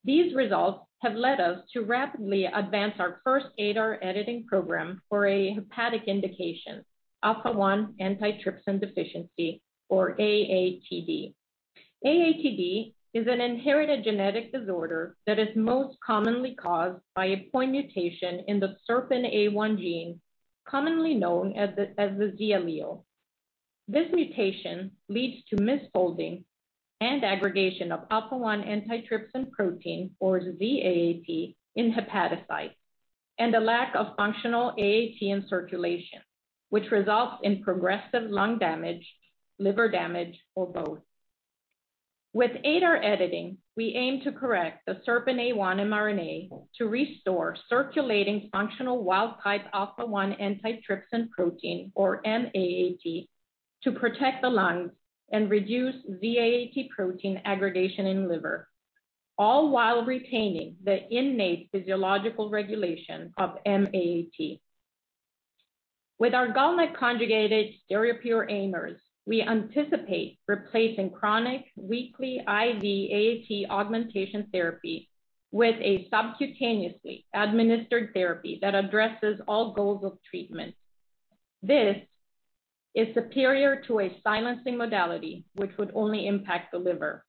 These results have led us to rapidly advance our first ADAR editing program for a hepatic indication, Alpha-1 Antitrypsin Deficiency, or AATD. AATD is an inherited genetic disorder that is most commonly caused by a point mutation in the SERPINA1 gene, commonly known as the Z allele. This mutation leads to misfolding and aggregation of Alpha-1 Antitrypsin protein, or Z-AAT, in hepatocytes, and a lack of functional AAT in circulation, which results in progressive lung damage, liver damage, or both. With ADAR editing, we aim to correct the SERPINA1 mRNA to restore circulating functional wild type Alpha-1 Antitrypsin protein, or M-AAT, to protect the lungs and reduce Z-AAT protein aggregation in liver, all while retaining the innate physiological regulation of M-AAT. With our GalNAc-conjugated stereopure AIMers, we anticipate replacing chronic weekly IV AAT augmentation therapy with a subcutaneously administered therapy that addresses all goals of treatment. This is superior to a silencing modality, which would only impact the liver.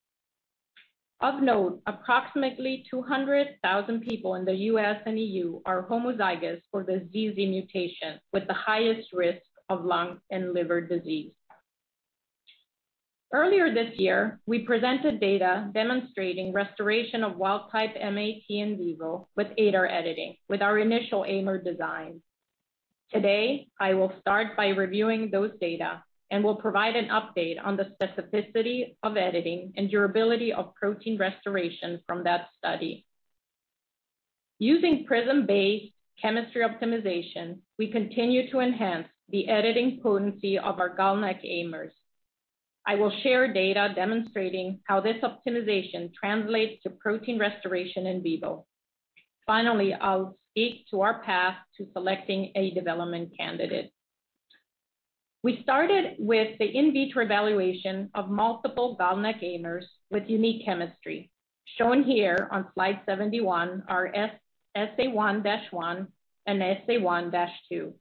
Of note, approximately 200,000 people in the U.S. and E.U. are homozygous for the ZZ mutation, with the highest risk of lung and liver disease. Earlier this year, we presented data demonstrating restoration of wild type M-AAT in vivo with ADAR editing with our initial AIMer design. Today, I will start by reviewing those data and will provide an update on the specificity of editing and durability of protein restoration from that study. Using PRISM-based chemistry optimization, we continue to enhance the editing potency of our GalNAc AIMers. I will share data demonstrating how this optimization translates to protein restoration in vivo. Finally, I'll speak to our path to selecting a development candidate. We started with the in vitro evaluation of multiple GalNAc AIMers with unique chemistry. Shown here on slide 71 are SA1-1 and SA1-2.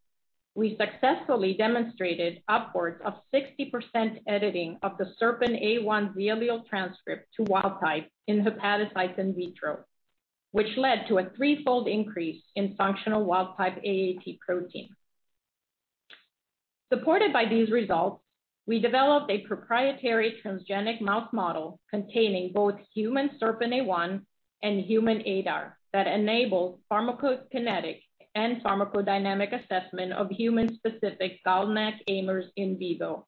We successfully demonstrated upwards of 60% editing of the SERPINA1 Z allele transcript to wild type in hepatocytes in vitro, which led to a threefold increase in functional wild type AAT protein. Supported by these results, we developed a proprietary transgenic mouse model containing both human SERPINA1 and human ADAR that enable pharmacokinetic and pharmacodynamic assessment of human-specific GalNAc AIMers in vivo.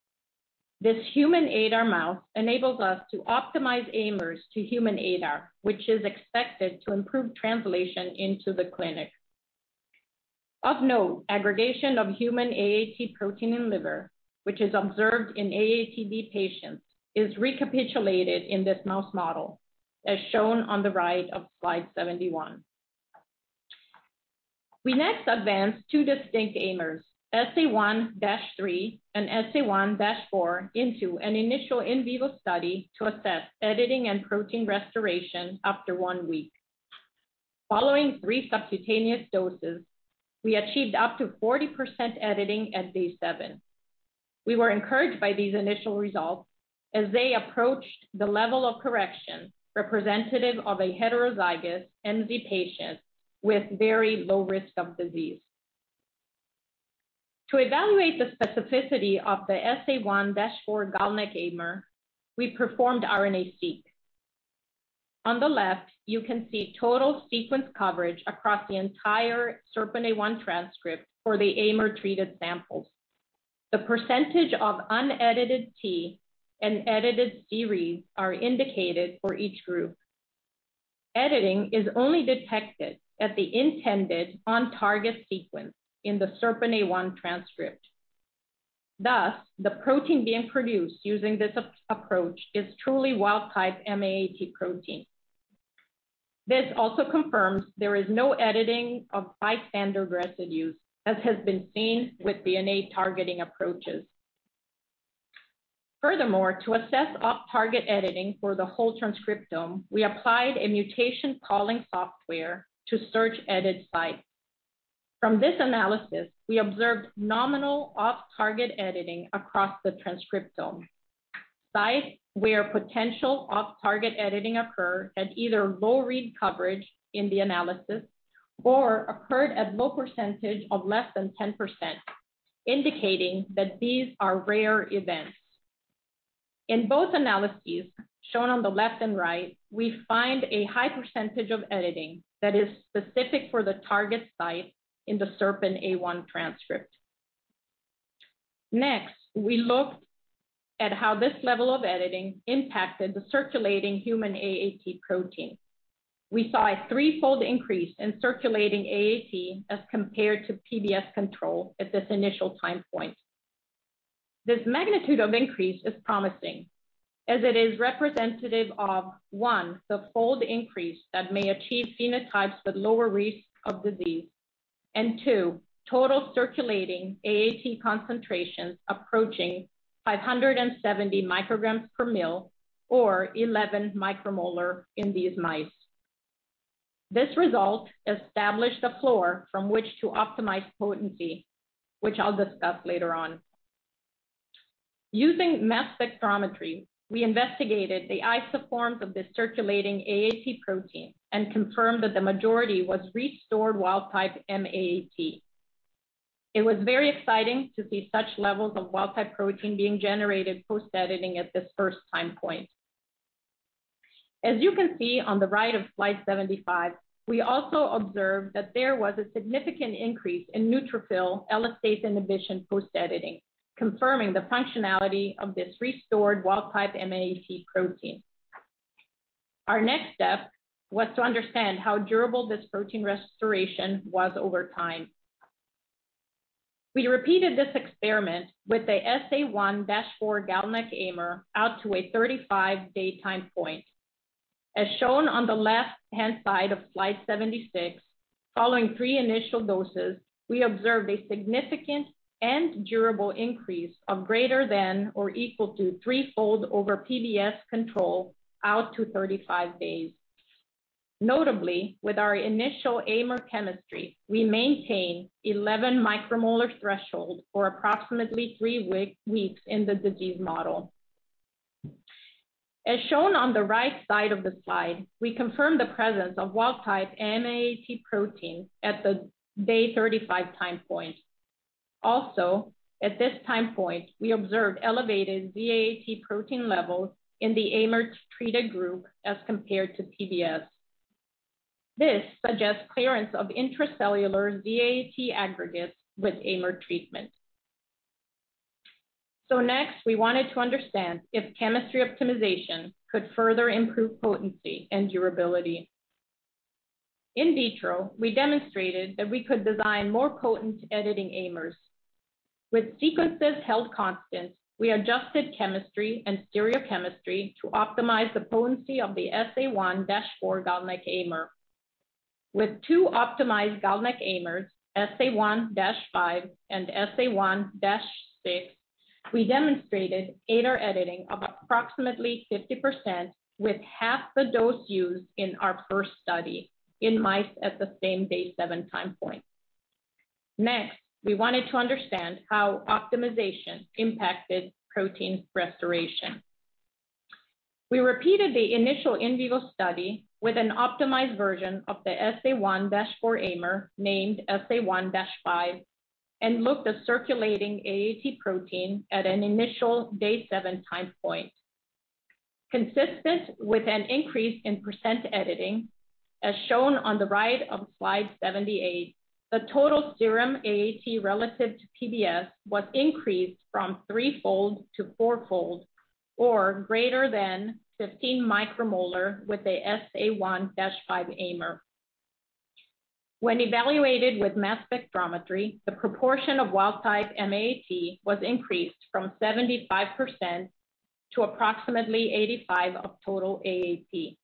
This human ADAR mouse enables us to optimize AIMers to human ADAR, which is expected to improve translation into the clinic. Of note, aggregation of human AAT protein in liver, which is observed in AATD patients, is recapitulated in this mouse model, as shown on the right of slide 71. We next advanced two distinct AIMers, SA1-3 and SA1-4, into an initial in vivo study to assess editing and protein restoration after one week. Following three subcutaneous doses, we achieved up to 40% editing at day seven. We were encouraged by these initial results as they approached the level of correction representative of a heterozygous MZ patient with very low risk of disease. To evaluate the specificity of the SA1-4 GalNAc AIMer, we performed RNA-seq. On the left, you can see total sequence coverage across the entire SERPINA1 transcript for the AIMer treated samples. The percentage of unedited T and edited C reads are indicated for each group. Editing is only detected at the intended on-target sequence in the SERPINA1 transcript. Thus, the protein being produced using this approach is truly wild type M-AAT protein. This also confirms there is no editing of bystander residues, as has been seen with DNA targeting approaches. Furthermore, to assess off-target editing for the whole transcriptome, we applied a mutation calling software to search edit sites. From this analysis, we observed nominal off-target editing across the transcriptome. Sites where potential off-target editing occur at either low read coverage in the analysis or occurred at low percentage of less than 10%, indicating that these are rare events. In both analyses shown on the left and right, we find a high percentage of editing that is specific for the target site in the SERPINA1 transcript. Next, we looked at how this level of editing impacted the circulating human AAT protein. We saw a threefold increase in circulating AAT as compared to PBS control at this initial time point. This magnitude of increase is promising as it is representative of, one, the fold increase that may achieve phenotypes with lower risk of disease, and two, total circulating AAT concentrations approaching 570 mcg per mil, or 11 micromolar in these mice. This result established a floor from which to optimize potency, which I'll discuss later on. Using mass spectrometry, we investigated the isoforms of the circulating AAT protein and confirmed that the majority was restored wild type M-AAT. It was very exciting to see such levels of wild type protein being generated post-editing at this first time point. As you can see on the right of slide 75, we also observed that there was a significant increase in neutrophil elastase inhibition post-editing, confirming the functionality of this restored wild type M-AAT protein. Our next step was to understand how durable this protein restoration was over time. We repeated this experiment with the SA1-4 GalNAc AIMer out to a 35-day time point. As shown on the left-hand side of slide 76, following three initial doses, we observed a significant and durable increase of greater than or equal to three-fold over PBS control out to 35 days. Notably, with our initial AIMer chemistry, we maintain 11 micromolar threshold for approximately three weeks in the disease model. As shown on the right side of the slide, we confirm the presence of wild type M-AAT protein at the day 35 time point. Also, at this time point, we observed elevated Z-AAT protein levels in the AIMer treated group as compared to PBS. This suggests clearance of intracellular Z-AAT aggregates with AIMer treatment. Next, we wanted to understand if chemistry optimization could further improve potency and durability. In vitro, we demonstrated that we could design more potent editing AIMers. With sequences held constant, we adjusted chemistry and stereochemistry to optimize the potency of the SA1-4 GalNAc AIMer. With two optimized GalNAc AIMers, SA1-5 and SA1-6, we demonstrated ADAR editing of approximately 50% with half the dose used in our first study in mice at the same day seven time point. We wanted to understand how optimization impacted protein restoration. We repeated the initial in vivo study with an optimized version of the SA1-4 AIMer, named SA1-5, and looked at circulating AAT protein at an initial day seven time point. Consistent with an increase in percent editing, as shown on the right of slide 78, the total serum AAT relative to PBS was increased from three-fold to four-fold or greater than 15 micromolar with a SA1-5 AIMer. When evaluated with mass spectrometry, the proportion of wild type M-AAT was increased from 75% to approximately 85% of total AAT.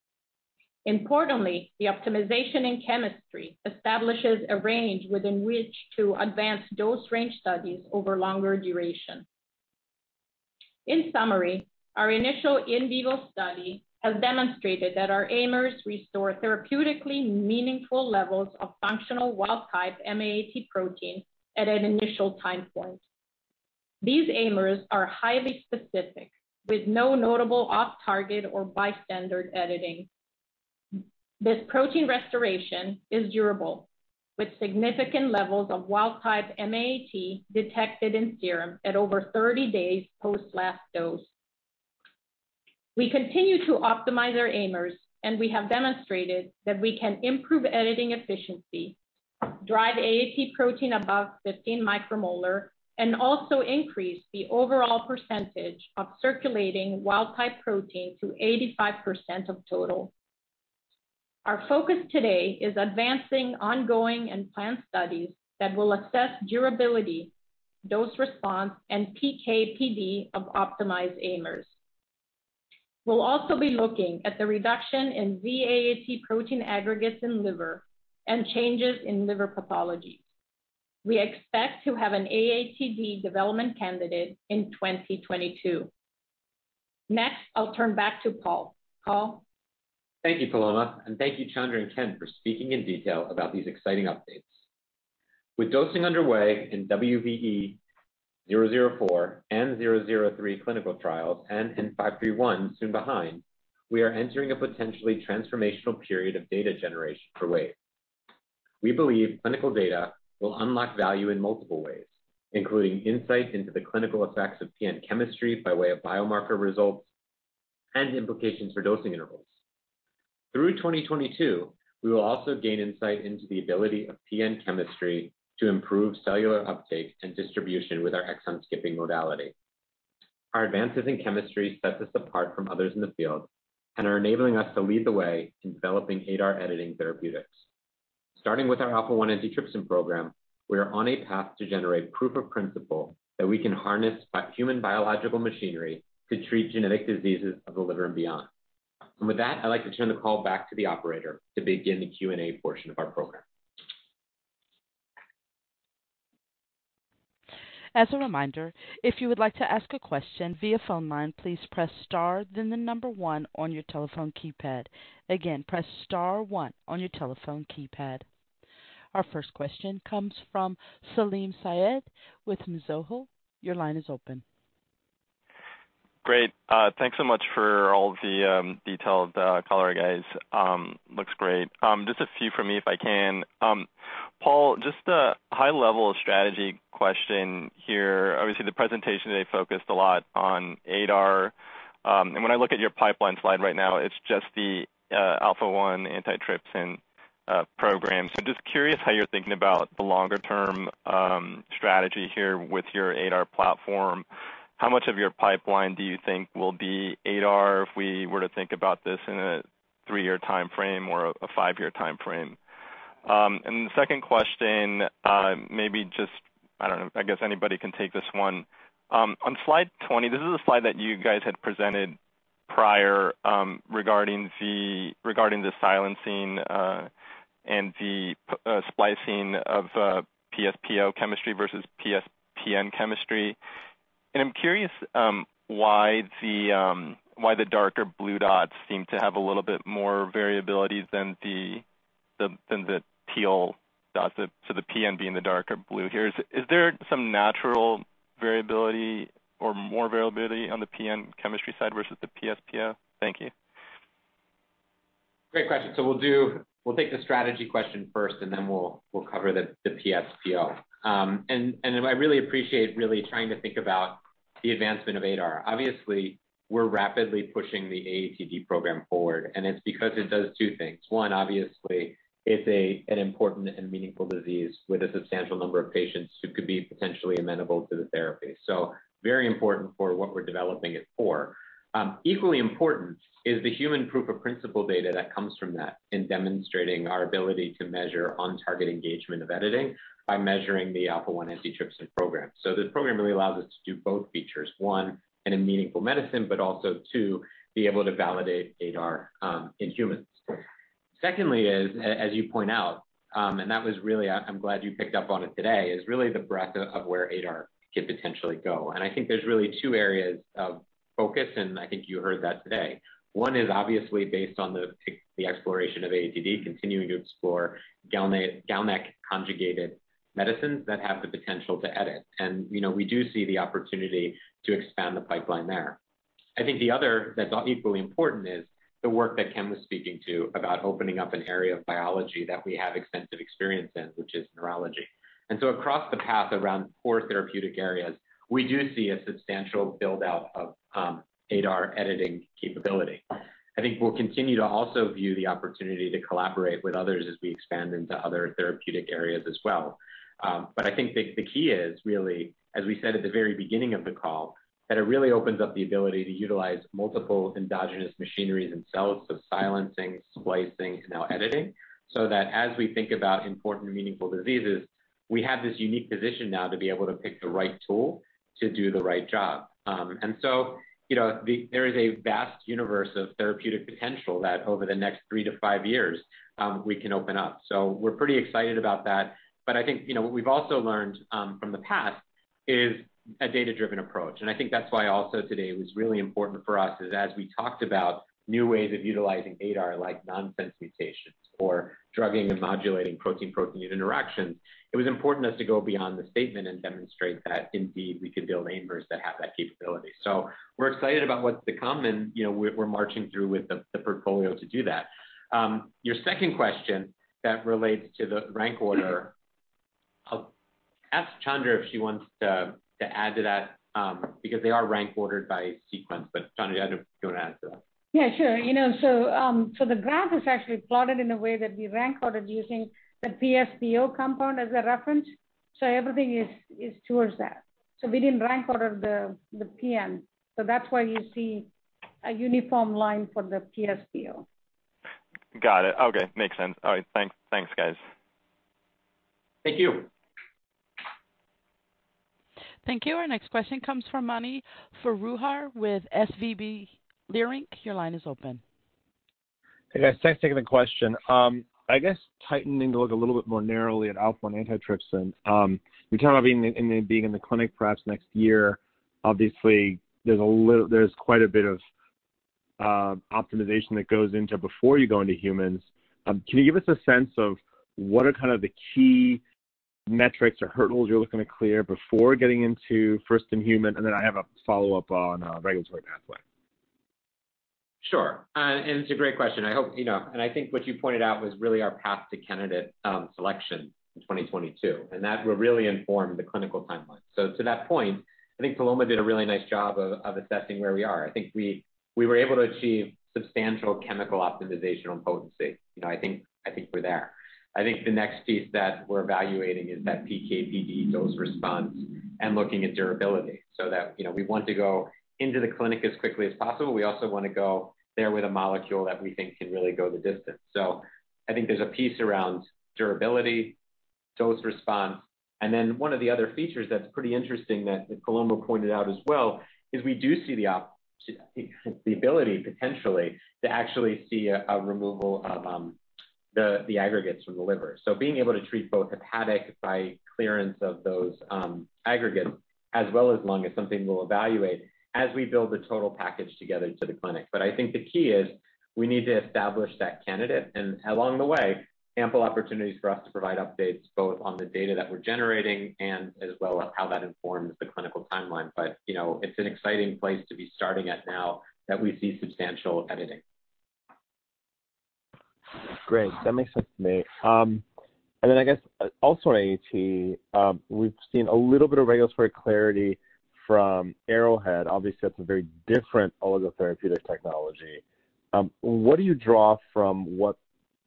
The optimization in chemistry establishes a range within which to advance dose range studies over longer duration. In summary, our initial in vivo study has demonstrated that our AIMers restore therapeutically meaningful levels of functional wild type M-AAT protein at an initial time point. These AIMers are highly specific, with no notable off-target or bystander editing. This protein restoration is durable, with significant levels of wild type M-AAT detected in serum at over 30 days post last dose. We continue to optimize our AIMers, and we have demonstrated that we can improve editing efficiency, drive AAT protein above 15 micromolar, and also increase the overall percentage of circulating wild type protein to 85% of total. Our focus today is advancing ongoing and planned studies that will assess durability, dose response, and PK/PD of optimized AIMers. We'll also be looking at the reduction in Z-AAT protein aggregates in liver and changes in liver pathologies. We expect to have an AATD development candidate in 2022. Next, I'll turn back to Paul. Paul? Thank you, Paloma, and thank you Chandra and Ken for speaking in detail about these exciting updates. With dosing underway in WVE-004 and WVE-003 clinical trials and in WVE-N531 soon behind, we are entering a potentially transformational period of data generation for Wave. We believe clinical data will unlock value in multiple ways, including insights into the clinical effects of PN chemistry by way of biomarker results and implications for dosing intervals. Through 2022, we will also gain insight into the ability of PN chemistry to improve cellular uptake and distribution with our exon-skipping modality. Our advances in chemistry set us apart from others in the field and are enabling us to lead the way in developing ADAR editing therapeutics. Starting with our Alpha-1 Antitrypsin program, we are on a path to generate proof of principle that we can harness human biological machinery to treat genetic diseases of the liver and beyond. With that, I'd like to turn the call back to the operator to begin the Q&A portion of our program. As a reminder, if you would like to ask a question via phone line, please press star then the number one on your telephone keypad. Again, press star one on your telephone keypad. Our first question comes from Salim Syed with Mizuho. Your line is open. Great. Thanks so much for all the detailed color, guys. Looks great. Just a few from me, if I can. Paul, just a high-level strategy question here. Obviously, the presentation today focused a lot on ADAR. When I look at your pipeline slide right now, it's just the Alpha-1 Antitrypsin program. Just curious how you're thinking about the longer-term strategy here with your ADAR platform. How much of your pipeline do you think will be ADAR if we were to think about this in a three-year timeframe or a five-year timeframe? The second question, maybe just, I don't know, I guess anybody can take this one. On slide 20, this is a slide that you guys had presented prior regarding the silencing and the splicing of PS-PO chemistry versus PS-PN chemistry. I'm curious why the darker blue dots seem to have a little bit more variability than the teal dots, so the PN being the darker blue here. Is there some natural variability or more variability on the PN chemistry side versus the PS-PO? Thank you. Great question. We'll take the strategy question first, and then we'll cover the PS-PO. I really appreciate really trying to think about the advancement of ADAR. Obviously, we're rapidly pushing the AATD program forward, and it's because it does two things. One, obviously, it's an important and meaningful disease with a substantial number of patients who could be potentially amenable to the therapy. Very important for what we're developing it for. Equally important is the human proof of principle data that comes from that in demonstrating our ability to measure on-target engagement of editing by measuring the Alpha-1 Antitrypsin program. The program really allows us to do both features, one, in a meaningful medicine, but also, two, be able to validate ADAR in humans. Secondly is, as you point out, and that was really, I'm glad you picked up on it today, is really the breadth of where ADAR could potentially go. I think there's really two areas of focus, and I think you heard that today. One is obviously based on the exploration of AATD, continuing to explore GalNAc-conjugated medicines that have the potential to edit. We do see the opportunity to expand the pipeline there. I think the other that's equally important is the work that Ken was speaking to about opening up an area of biology that we have extensive experience in, which is neurology. Across the path around four therapeutic areas, we do see a substantial build-out of ADAR editing capability. I think we'll continue to also view the opportunity to collaborate with others as we expand into other therapeutic areas as well. I think the key is really, as we said at the very beginning of the call, that it really opens up the ability to utilize multiple endogenous machineries themselves, so silencing, splicing, and now editing, so that as we think about important, meaningful diseases, we have this unique position now to be able to pick the right tool to do the right job. There is a vast universe of therapeutic potential that over the next three to five years, we can open up. We're pretty excited about that. I think what we've also learned from the past is a data-driven approach. I think that's why also today it was really important for us is, as we talked about new ways of utilizing ADAR, like nonsense mutations or drugging and modulating protein-protein unit interactions, it was important as to go beyond the statement and demonstrate that indeed we could build AIMers that have that capability. We're excited about what's to come, and we're marching through with the portfolio to do that. Your second question that relates to the rank order, I'll ask Chandra if she wants to add to that, because they are rank ordered by sequence. Chandra, do you want to add to that? Yeah, sure. The graph is actually plotted in a way that we rank ordered using the PS-PO compound as a reference. Everything is towards that. We didn't rank order the PN, so that's why you see a uniform line for the PS-PO. Got it. Okay. Makes sense. All right. Thanks, guys. Thank you. Thank you. Our next question comes from Mani Foroohar with SVB Leerink. Your line is open. Hey, guys. Thanks for taking the question. I guess tightening the look a little bit more narrowly at Alpha-1 Antitrypsin. You're talking about being in the clinic perhaps next year. Obviously, there's quite a bit of optimization that goes into before you go into humans. Can you give us a sense of what are kind of the key metrics or hurdles you're looking to clear before getting into first-in-human? I have a follow-up on regulatory pathway. Sure. It's a great question. I think what you pointed out was really our path to candidate selection in 2022. That will really inform the clinical timeline. To that point, I think Paloma did a really nice job of assessing where we are. I think we were able to achieve substantial chemical optimization on potency. I think we're there. I think the next piece that we're evaluating is that PK/PD dose response and looking at durability. That we want to go into the clinic as quickly as possible. We also want to go there with a molecule that we think can really go the distance. I think there's a piece around durability, dose response, and then one of the other features that's pretty interesting that Paloma pointed out as well, is we do see the ability, potentially, to actually see a removal of the aggregates from the liver. Being able to treat both hepatic by clearance of those aggregates as well as lung is something we'll evaluate as we build the total package together to the clinic. I think the key is we need to establish that candidate and along the way, ample opportunities for us to provide updates both on the data that we're generating and as well as how that informs the clinical timeline. It's an exciting place to be starting at now that we see substantial editing. Great. That makes sense to me. I guess also on AAT, we've seen a little bit of regulatory clarity from Arrowhead. Obviously, that's a very different oligo therapeutic technology. What do you draw from what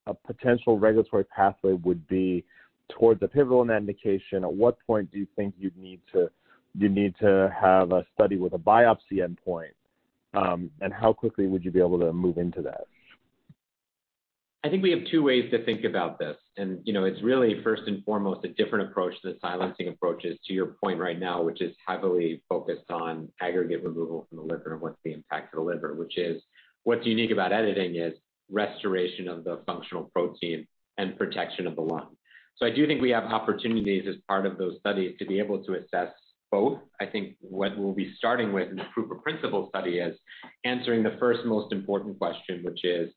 a potential regulatory pathway would be towards the pivotal indication? At what point do you think you'd need to have a study with a biopsy endpoint? How quickly would you be able to move into that? I think we have two ways to think about this, and it's really first and foremost a different approach to the silencing approaches, to your point right now, which is heavily focused on aggregate removal from the liver and what's the impact to the liver. What's unique about editing is restoration of the functional protein and protection of the lung. I do think we have opportunities as part of those studies to be able to assess both. I think what we'll be starting with in the proof of principle study is answering the first most important question, which is,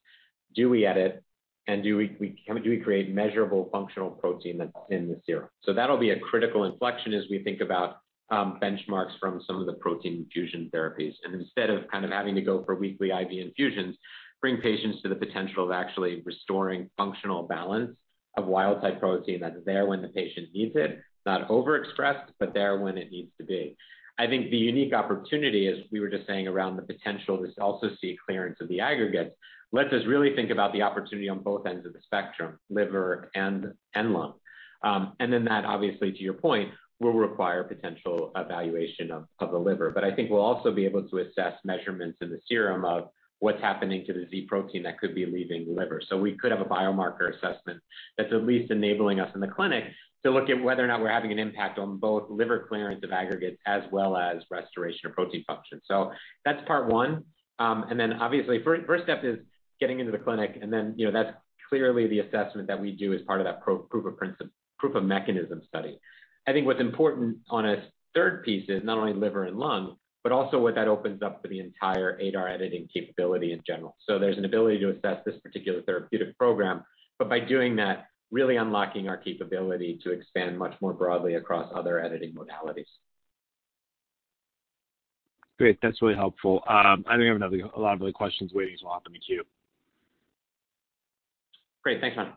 do we edit and do we create measurable functional protein that's in the serum? That'll be a critical inflection as we think about benchmarks from some of the protein infusion therapies. Instead of kind of having to go for weekly IV infusions, bring patients to the potential of actually restoring functional balance of wild type protein that's there when the patient needs it, not overexpressed, but there when it needs to be. I think the unique opportunity, as we were just saying, around the potential to also see clearance of the aggregates, lets us really think about the opportunity on both ends of the spectrum, liver and lung. That obviously, to your point, will require potential evaluation of the liver. I think we'll also be able to assess measurements in the serum of what's happening to the Z protein that could be leaving the liver. We could have a biomarker assessment that's at least enabling us in the clinic to look at whether or not we're having an impact on both liver clearance of aggregates as well as restoration of protein function. That's part 1. Obviously, first step is getting into the clinic, and then that's clearly the assessment that we do as part of that proof of mechanism study. I think what's important on a third piece is not only liver and lung, but also what that opens up for the entire ADAR editing capability in general. There's an ability to assess this particular therapeutic program, but by doing that, really unlocking our capability to expand much more broadly across other editing modalities. Great. That's really helpful. I think I have another lot of other questions waiting, I'll hop in the queue. Great. Thanks, Man.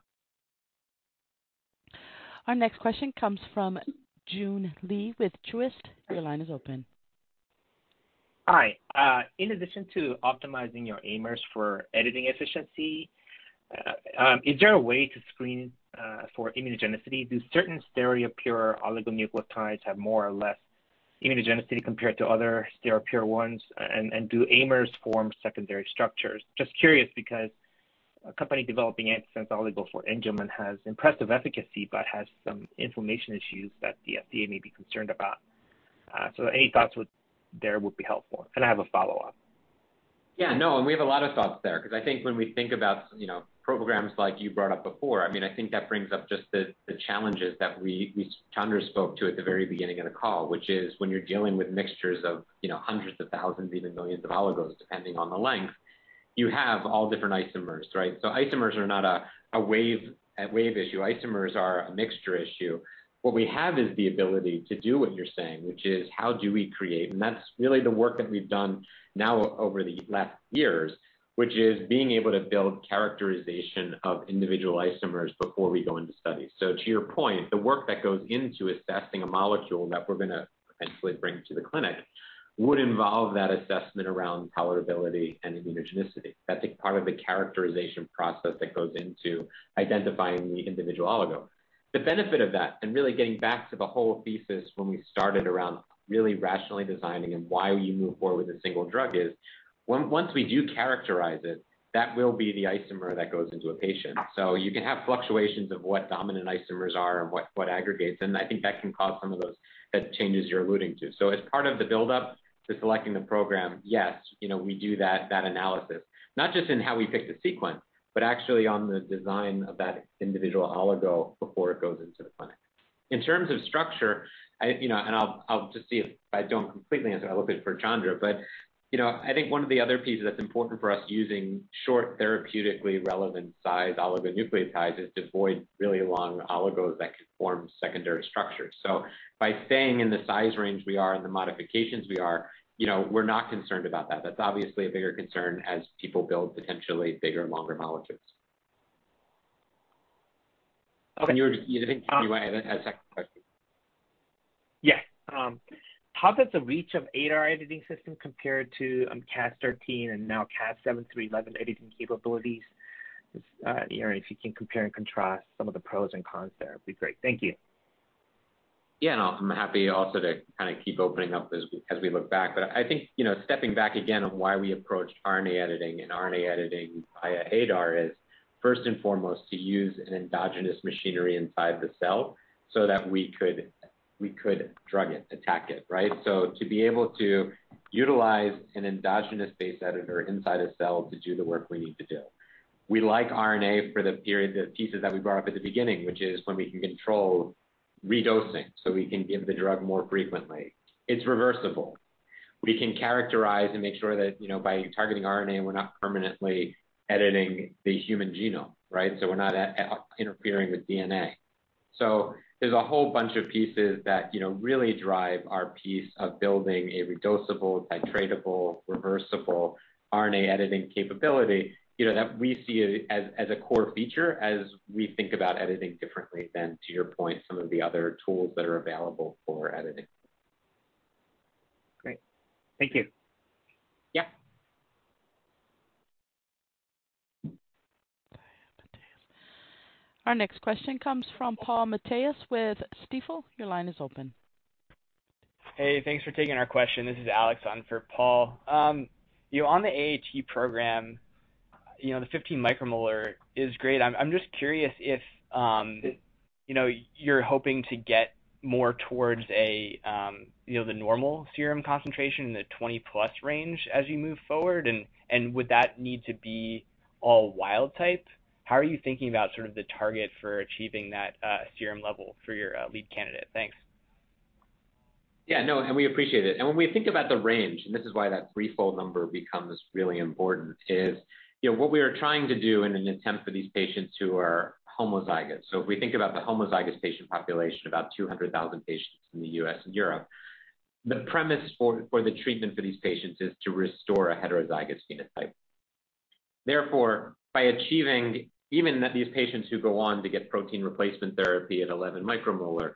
Our next question comes from Joon Lee with Truist. Your line is open. Hi. In addition to optimizing your AIMers for editing efficiency, is there a way to screen for immunogenicity? Do certain stereopure oligonucleotides have more or less immunogenicity compared to other stereopure ones, and do AIMers form secondary structures? Just curious, a company developing antisense oligo for Angelman has impressive efficacy but has some inflammation issues that the FDA may be concerned about. Any thoughts there would be helpful. I have a follow-up. Yeah, no. We have a lot of thoughts there, because I think when we think about programs like you brought up before, I think that brings up just the challenges that Chandra spoke to at the very beginning of the call, which is when you're dealing with mixtures of hundreds of thousands, even millions of oligos, depending on the length, you have all different isomers, right? Isomers are not a Wave issue. Isomers are a mixture issue. What we have is the ability to do what you're saying, which is how do we create, and that's really the work that we've done now over the last years, which is being able to build characterization of individual isomers before we go into studies. To your point, the work that goes into assessing a molecule that we're going to potentially bring to the clinic would involve that assessment around tolerability and immunogenicity. That is part of the characterization process that goes into identifying the individual oligo. The benefit of that, and really getting back to the whole thesis when we started around really rationally designing and why you move forward with a single drug is, once we do characterize it, that will be the isomer that goes into a patient. You can have fluctuations of what dominant isomers are and what aggregates, and I think that can cause some of those changes you are alluding to. As part of the buildup to selecting the program, yes, we do that analysis, not just in how we pick the sequence, but actually on the design of that individual oligo before it goes into the clinic. In terms of structure, I'll just see if I don't completely answer, I'll look at it for Chandra, I think one of the other pieces that's important for us using short, therapeutically relevant size oligonucleotides is to avoid really long oligos that can form secondary structures. By staying in the size range we are and the modifications we are, we're not concerned about that. That's obviously a bigger concern as people build potentially bigger and longer molecules. You were thinking you might have a second question. Yeah. How does the reach of ADAR editing system compare to Cas13 and now Cas7-11 editing capabilities? If you can compare and contrast some of the pros and cons there, it'd be great. Thank you. Yeah, no, I'm happy also to kind of keep opening up as we look back. I think, stepping back again on why we approached RNA editing and RNA editing via ADAR is first and foremost, to use an endogenous machinery inside the cell so that we could drug it, attack it, right? To be able to utilize an endogenous-based editor inside a cell to do the work we need to do. We like RNA for the pieces that we brought up at the beginning, which is when we can control redosing, so we can give the drug more frequently. It's reversible. We can characterize and make sure that by targeting RNA, we're not permanently editing the human genome, right? We're not interfering with DNA. There's a whole bunch of pieces that really drive our piece of building a redosable, titratable, reversible RNA editing capability, that we see as a core feature as we think about editing differently than, to your point, some of the other tools that are available for editing. Great. Thank you. Yeah. Our next question comes from Paul Matteis with Stifel. Your line is open. Hey, thanks for taking our question. This is Alex on for Paul. On the AAT program, the 15 micromolar is great. I'm just curious if you're hoping to get more towards the normal serum concentration in the 20+ range as you move forward, and would that need to be all wild type? How are you thinking about sort of the target for achieving that serum level for your lead candidate? Thanks. Yeah, no, we appreciate it. When we think about the range, and this is why that threefold number becomes really important, is what we are trying to do in an attempt for these patients who are homozygous. If we think about the homozygous patient population, about 200,000 patients in the U.S. and Europe, the premise for the treatment for these patients is to restore a heterozygous phenotype. Therefore, by achieving even these patients who go on to get protein replacement therapy at 11 micromolar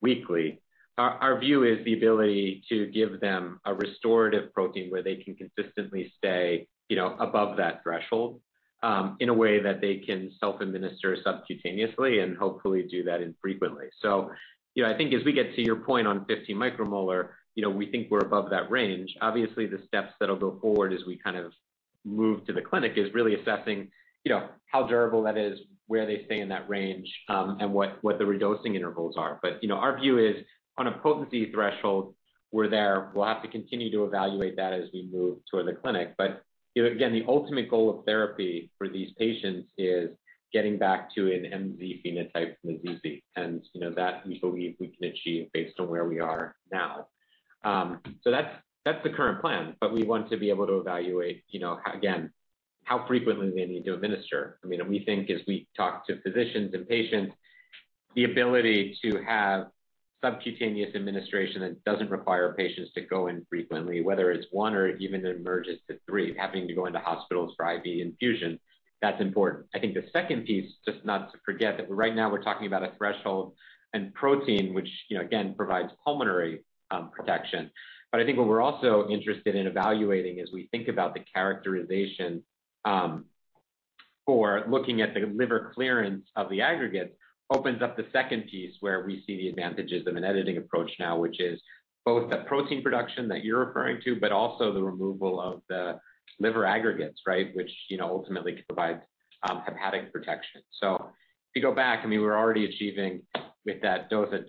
weekly, our view is the ability to give them a restorative protein where they can consistently stay above that threshold, in a way that they can self-administer subcutaneously and hopefully do that infrequently. I think as we get to your point on 15 micromolar, we think we're above that range. The steps that'll go forward as we kind of move to the clinic is really assessing how durable that is, where they stay in that range, and what the redosing intervals are. Our view is on a potency threshold, we're there. We'll have to continue to evaluate that as we move toward the clinic. Again, the ultimate goal of therapy for these patients is getting back to an MZ phenotype from the ZZ. That we believe we can achieve based on where we are now. That's the current plan, but we want to be able to evaluate, again, how frequently they need to administer. We think as we talk to physicians and patients, the ability to have subcutaneous administration that doesn't require patients to go in frequently, whether it's one or even it emerges to three, having to go into hospitals for IV infusions, that's important. I think the second piece, just not to forget that right now we're talking about a threshold and protein, which again, provides pulmonary protection. I think what we're also interested in evaluating as we think about the characterization for looking at the liver clearance of the aggregate, opens up the second piece where we see the advantages of an editing approach now, which is both that protein production that you're referring to, but also the removal of the liver aggregates, which ultimately could provide hepatic protection. If you go back, we're already achieving with that dose that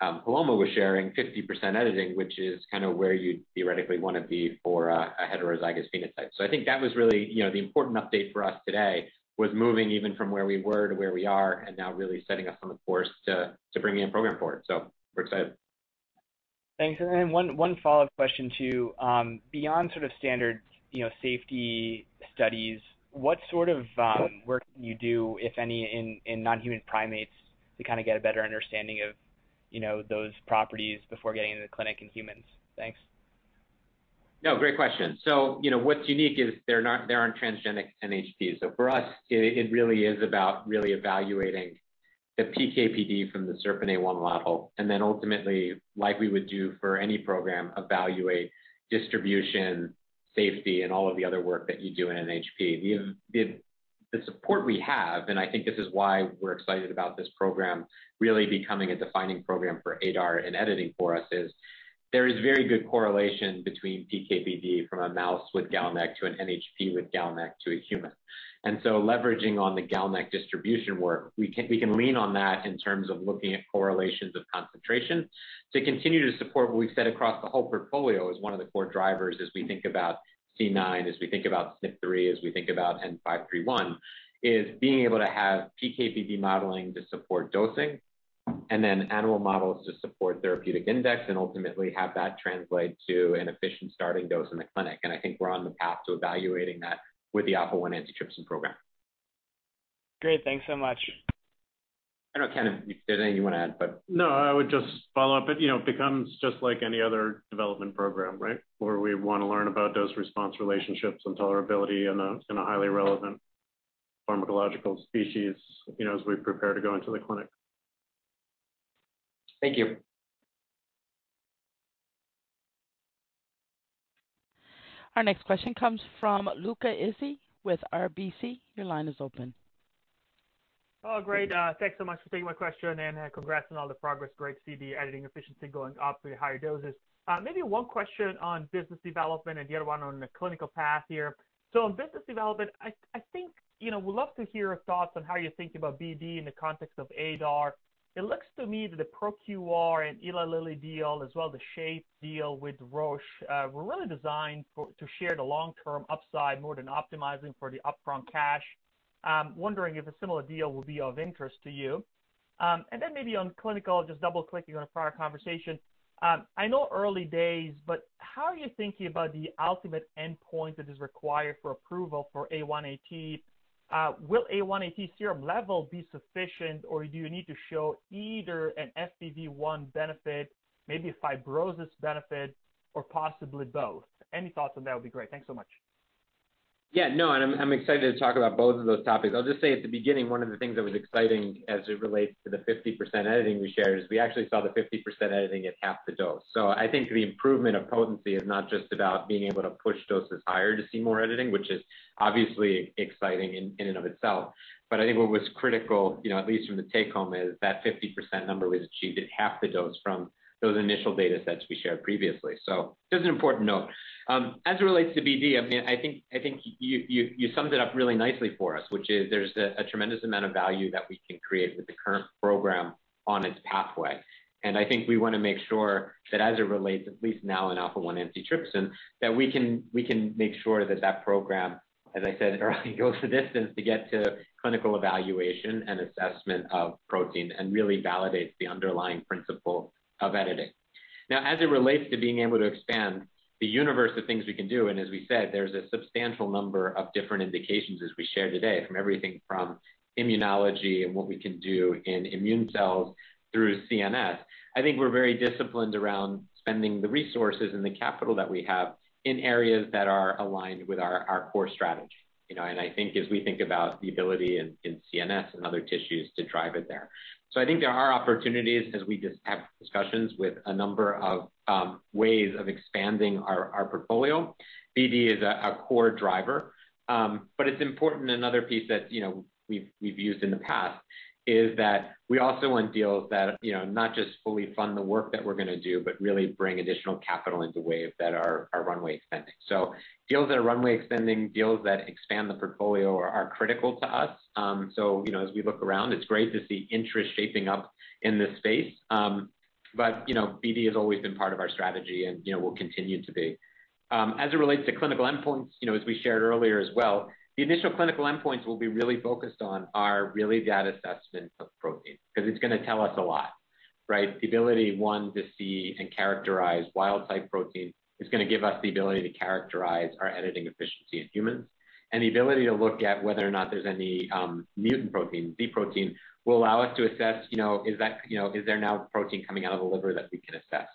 Paloma was sharing, 50% editing, which is kind of where you'd theoretically want to be for a heterozygous phenotype. I think that was really the important update for us today, was moving even from where we were to where we are, and now really setting us on the course to bring in a program for it. We're excited. Thanks. One follow-up question too. Beyond sort of standard safety studies, what sort of work can you do, if any, in non-human primates to kind of get a better understanding of those properties before getting into the clinic in humans? Thanks. No, great question. For us, it really is about really evaluating the PK/PD from the SERPINA1 model, and then ultimately, like we would do for any program, evaluate distribution, safety, and all of the other work that you do in an NHP. The support we have, and I think this is why we're excited about this program really becoming a defining program for ADAR and editing for us is there is very good correlation between PK/PD from a mouse with GalNAc to an NHP with GalNAc to a human. Leveraging on the GalNAc distribution work, we can lean on that in terms of looking at correlations of concentration to continue to support what we've said across the whole portfolio as one of the core drivers as we think about C9, as we think about SNP3, as we think about N531, is being able to have PK/PD modeling to support dosing, and then animal models to support therapeutic index, and ultimately have that translate to an efficient starting dose in the clinic. I think we're on the path to evaluating that with the Alpha-1 Antitrypsin program. Great. Thanks so much. I know, Ken, if there's anything you want to add. No, I would just follow up. It becomes just like any other development program, where we want to learn about dose response relationships and tolerability in a highly relevant pharmacological species, as we prepare to go into the clinic. Thank you. Our next question comes from Luca Issi with RBC. Your line is open. Oh, great. Thanks so much for taking my question, and congrats on all the progress. Great to see the editing efficiency going up with higher doses. Maybe one question on business development and the other one on the clinical path here. On business development, I think, we'd love to hear your thoughts on how you're thinking about BD in the context of ADAR. It looks to me that the ProQR and Eli Lilly deal, as well as the Shape deal with Roche, were really designed to share the long-term upside more than optimizing for the upfront cash. I'm wondering if a similar deal would be of interest to you. Then maybe on clinical, just double-clicking on a prior conversation. I know early days, but how are you thinking about the ultimate endpoint that is required for approval for A1AT? Will A1AT serum level be sufficient, or do you need to show either an FEV1 benefit, maybe a fibrosis benefit, or possibly both? Any thoughts on that would be great. Thanks so much. No, I'm excited to talk about both of those topics. I'll just say at the beginning, one of the things that was exciting as it relates to the 50% editing we shared is we actually saw the 50% editing at half the dose. I think the improvement of potency is not just about being able to push doses higher to see more editing, which is obviously exciting in and of itself. I think what was critical, at least from the take home, is that 50% number was achieved at half the dose from those initial data sets we shared previously. Just an important note. As it relates to BD, I think you summed it up really nicely for us, which is there's a tremendous amount of value that we can create with the current program on its pathway. I think we want to make sure that as it relates, at least now in Alpha-1 Antitrypsin, that we can make sure that that program, as I said earlier, goes the distance to get to clinical evaluation and assessment of protein and really validates the underlying principle of editing. As it relates to being able to expand the universe of things we can do, and as we said, there's a substantial number of different indications as we shared today, from everything from immunology and what we can do in immune cells through CNS. I think we're very disciplined around spending the resources and the capital that we have in areas that are aligned with our core strategy. I think as we think about the ability in CNS and other tissues to drive it there. I think there are opportunities as we just have discussions with a number of ways of expanding our portfolio. BD is a core driver. It's important, another piece that we've used in the past is that we also want deals that, not just fully fund the work that we're going to do, but really bring additional capital into Wave that are runway extending. Deals that are runway extending, deals that expand the portfolio are critical to us. As we look around, it's great to see interest shaping up in this space. BD has always been part of our strategy and will continue to be. As it relates to clinical endpoints, as we shared earlier as well, the initial clinical endpoints we'll be really focused on are really that assessment of protein, because it's going to tell us a lot. Right? The ability, one, to see and characterize wild type protein is going to give us the ability to characterize our editing efficiency in humans. The ability to look at whether or not there's any mutant protein, Z protein, will allow us to assess, is there now protein coming out of the liver that we can assess?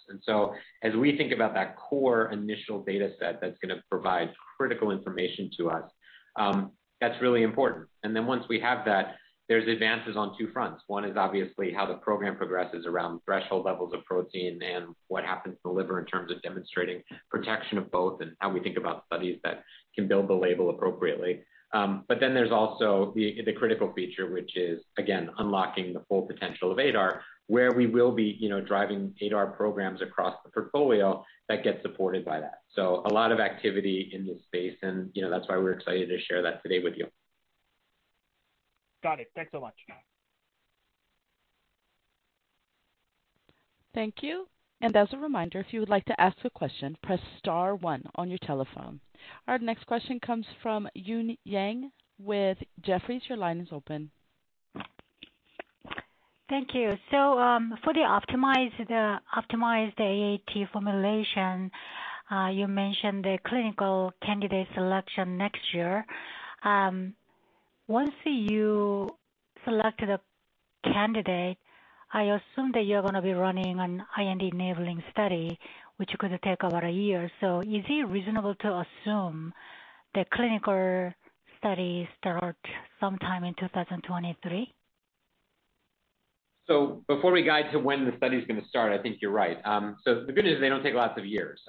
As we think about that core initial data set that's going to provide critical information to us, that's really important. Once we have that, there's advances on two fronts. One is obviously how the program progresses around threshold levels of protein and what happens to the liver in terms of demonstrating protection of both, and how we think about studies that can build the label appropriately. There's also the critical feature, which is, again, unlocking the full potential of ADAR, where we will be driving ADAR programs across the portfolio that get supported by that. A lot of activity in this space, and that's why we're excited to share that today with you. Got it. Thanks so much. Thank you. As a reminder, if you would like to ask a question, press star one on your telephone. Our next question comes from Eun Yang with Jefferies. Your line is open. Thank you. For the optimized AAT formulation, you mentioned the clinical candidate selection next year. Once you select the candidate, I assume that you're going to be running an IND-enabling study, which could take about one year. Is it reasonable to assume the clinical study start sometime in 2023? Before we guide to when the study's going to start, I think you're right. The good news is they don't take lots of years.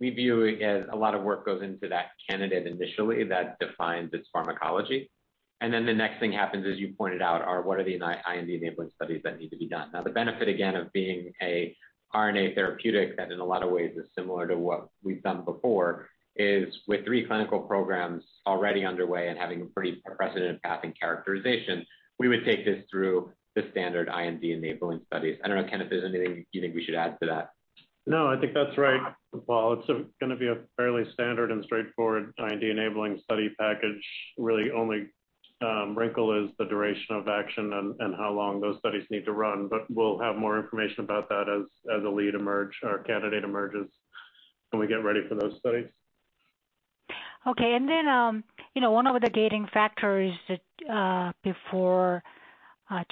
We view it as a lot of work goes into that candidate initially that defines its pharmacology. Then the next thing happens, as you pointed out, are what are the IND-enabling studies that need to be done. Now, the benefit, again, of being a RNA therapeutic that in a lot of ways is similar to what we've done before, is with three clinical programs already underway and having a pretty precedent path and characterization, we would take this through the standard IND-enabling studies. I don't know, Ken, if there's anything you think we should add to that? No, I think that's right, Paul. It's going to be a fairly standard and straightforward IND-enabling study package. Really only wrinkle is the duration of action and how long those studies need to run. We'll have more information about that as the lead candidate emerges, and we get ready for those studies. One of the gating factors before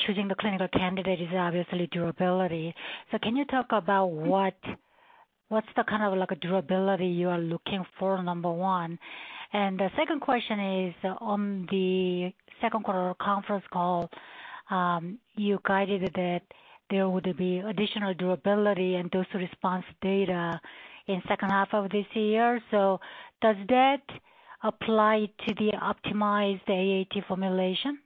choosing the clinical candidate is obviously durability. Can you talk about what's the kind of durability you are looking for, number one? The second question is on the second quarter conference call, you guided that there would be additional durability and dose response data in second half of this year. Does that apply to the optimized AAT formulation?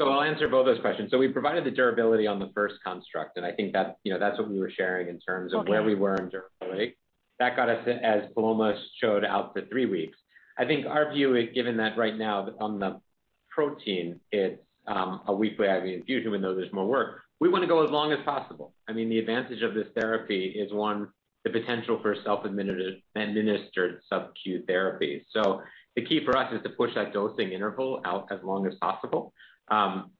I'll answer both those questions. We provided the durability on the first construct, and I think that's what we were sharing in terms of where we were in durability. That got us, as biomass showed, out for three weeks. I think our view is given that right now on the protein, it's a weekly IV infusion, even though there's more work. We want to go as long as possible. The advantage of this therapy is, one, the potential for self-administered subQ therapy. The key for us is to push that dosing interval out as long as possible.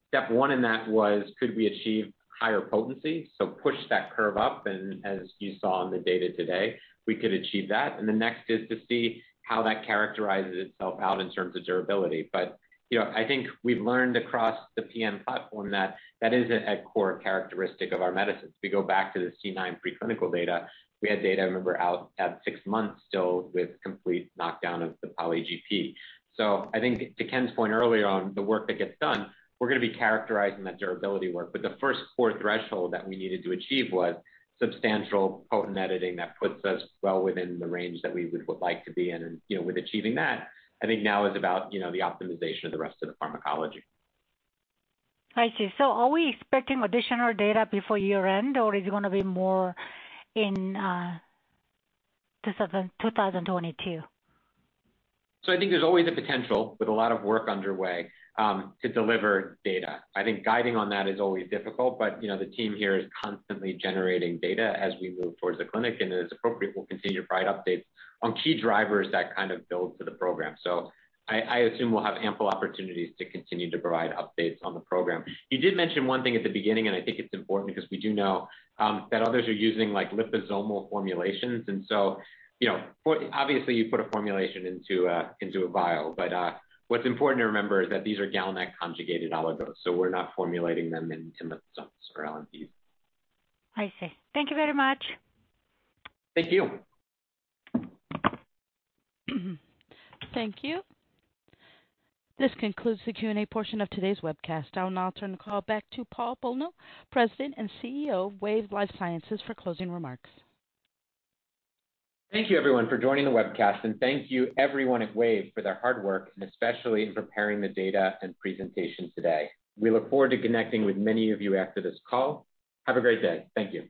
Step one in that was could we achieve higher potency, so push that curve up, and as you saw in the data today, we could achieve that. The next is to see how that characterizes itself out in terms of durability. I think we've learned across the PN platform that that is a core characteristic of our medicines. We go back to the C9 preclinical data. We had data, remember, out at six months still with complete knockdown of the poly(GP). I think to Ken's point earlier on the work that gets done, we're going to be characterizing that durability work. The first core threshold that we needed to achieve was substantial potent editing that puts us well within the range that we would like to be in. With achieving that, I think now is about the optimization of the rest of the pharmacology. I see. Are we expecting additional data before year-end, or is it going to be more in 2022? I think there's always a potential, with a lot of work underway, to deliver data. I think guiding on that is always difficult, but the team here is constantly generating data as we move towards the clinic, and as appropriate, we'll continue to provide updates on key drivers that kind of build to the program. I assume we'll have ample opportunities to continue to provide updates on the program. You did mention one thing at the beginning, and I think it's important because we do know that others are using liposomal formulations. Obviously you put a formulation into a vial, but what's important to remember is that these are GalNAc-conjugated oligos, we're not formulating them in liposomes or LNPs. I see. Thank you very much. Thank you. Thank you. This concludes the Q&A portion of today's webcast. I will now turn the call back to Paul Bolno, President and CEO of Wave Life Sciences, for closing remarks. Thank you everyone for joining the webcast, and thank you everyone at Wave for their hard work, and especially in preparing the data and presentation today. We look forward to connecting with many of you after this call. Have a great day. Thank you.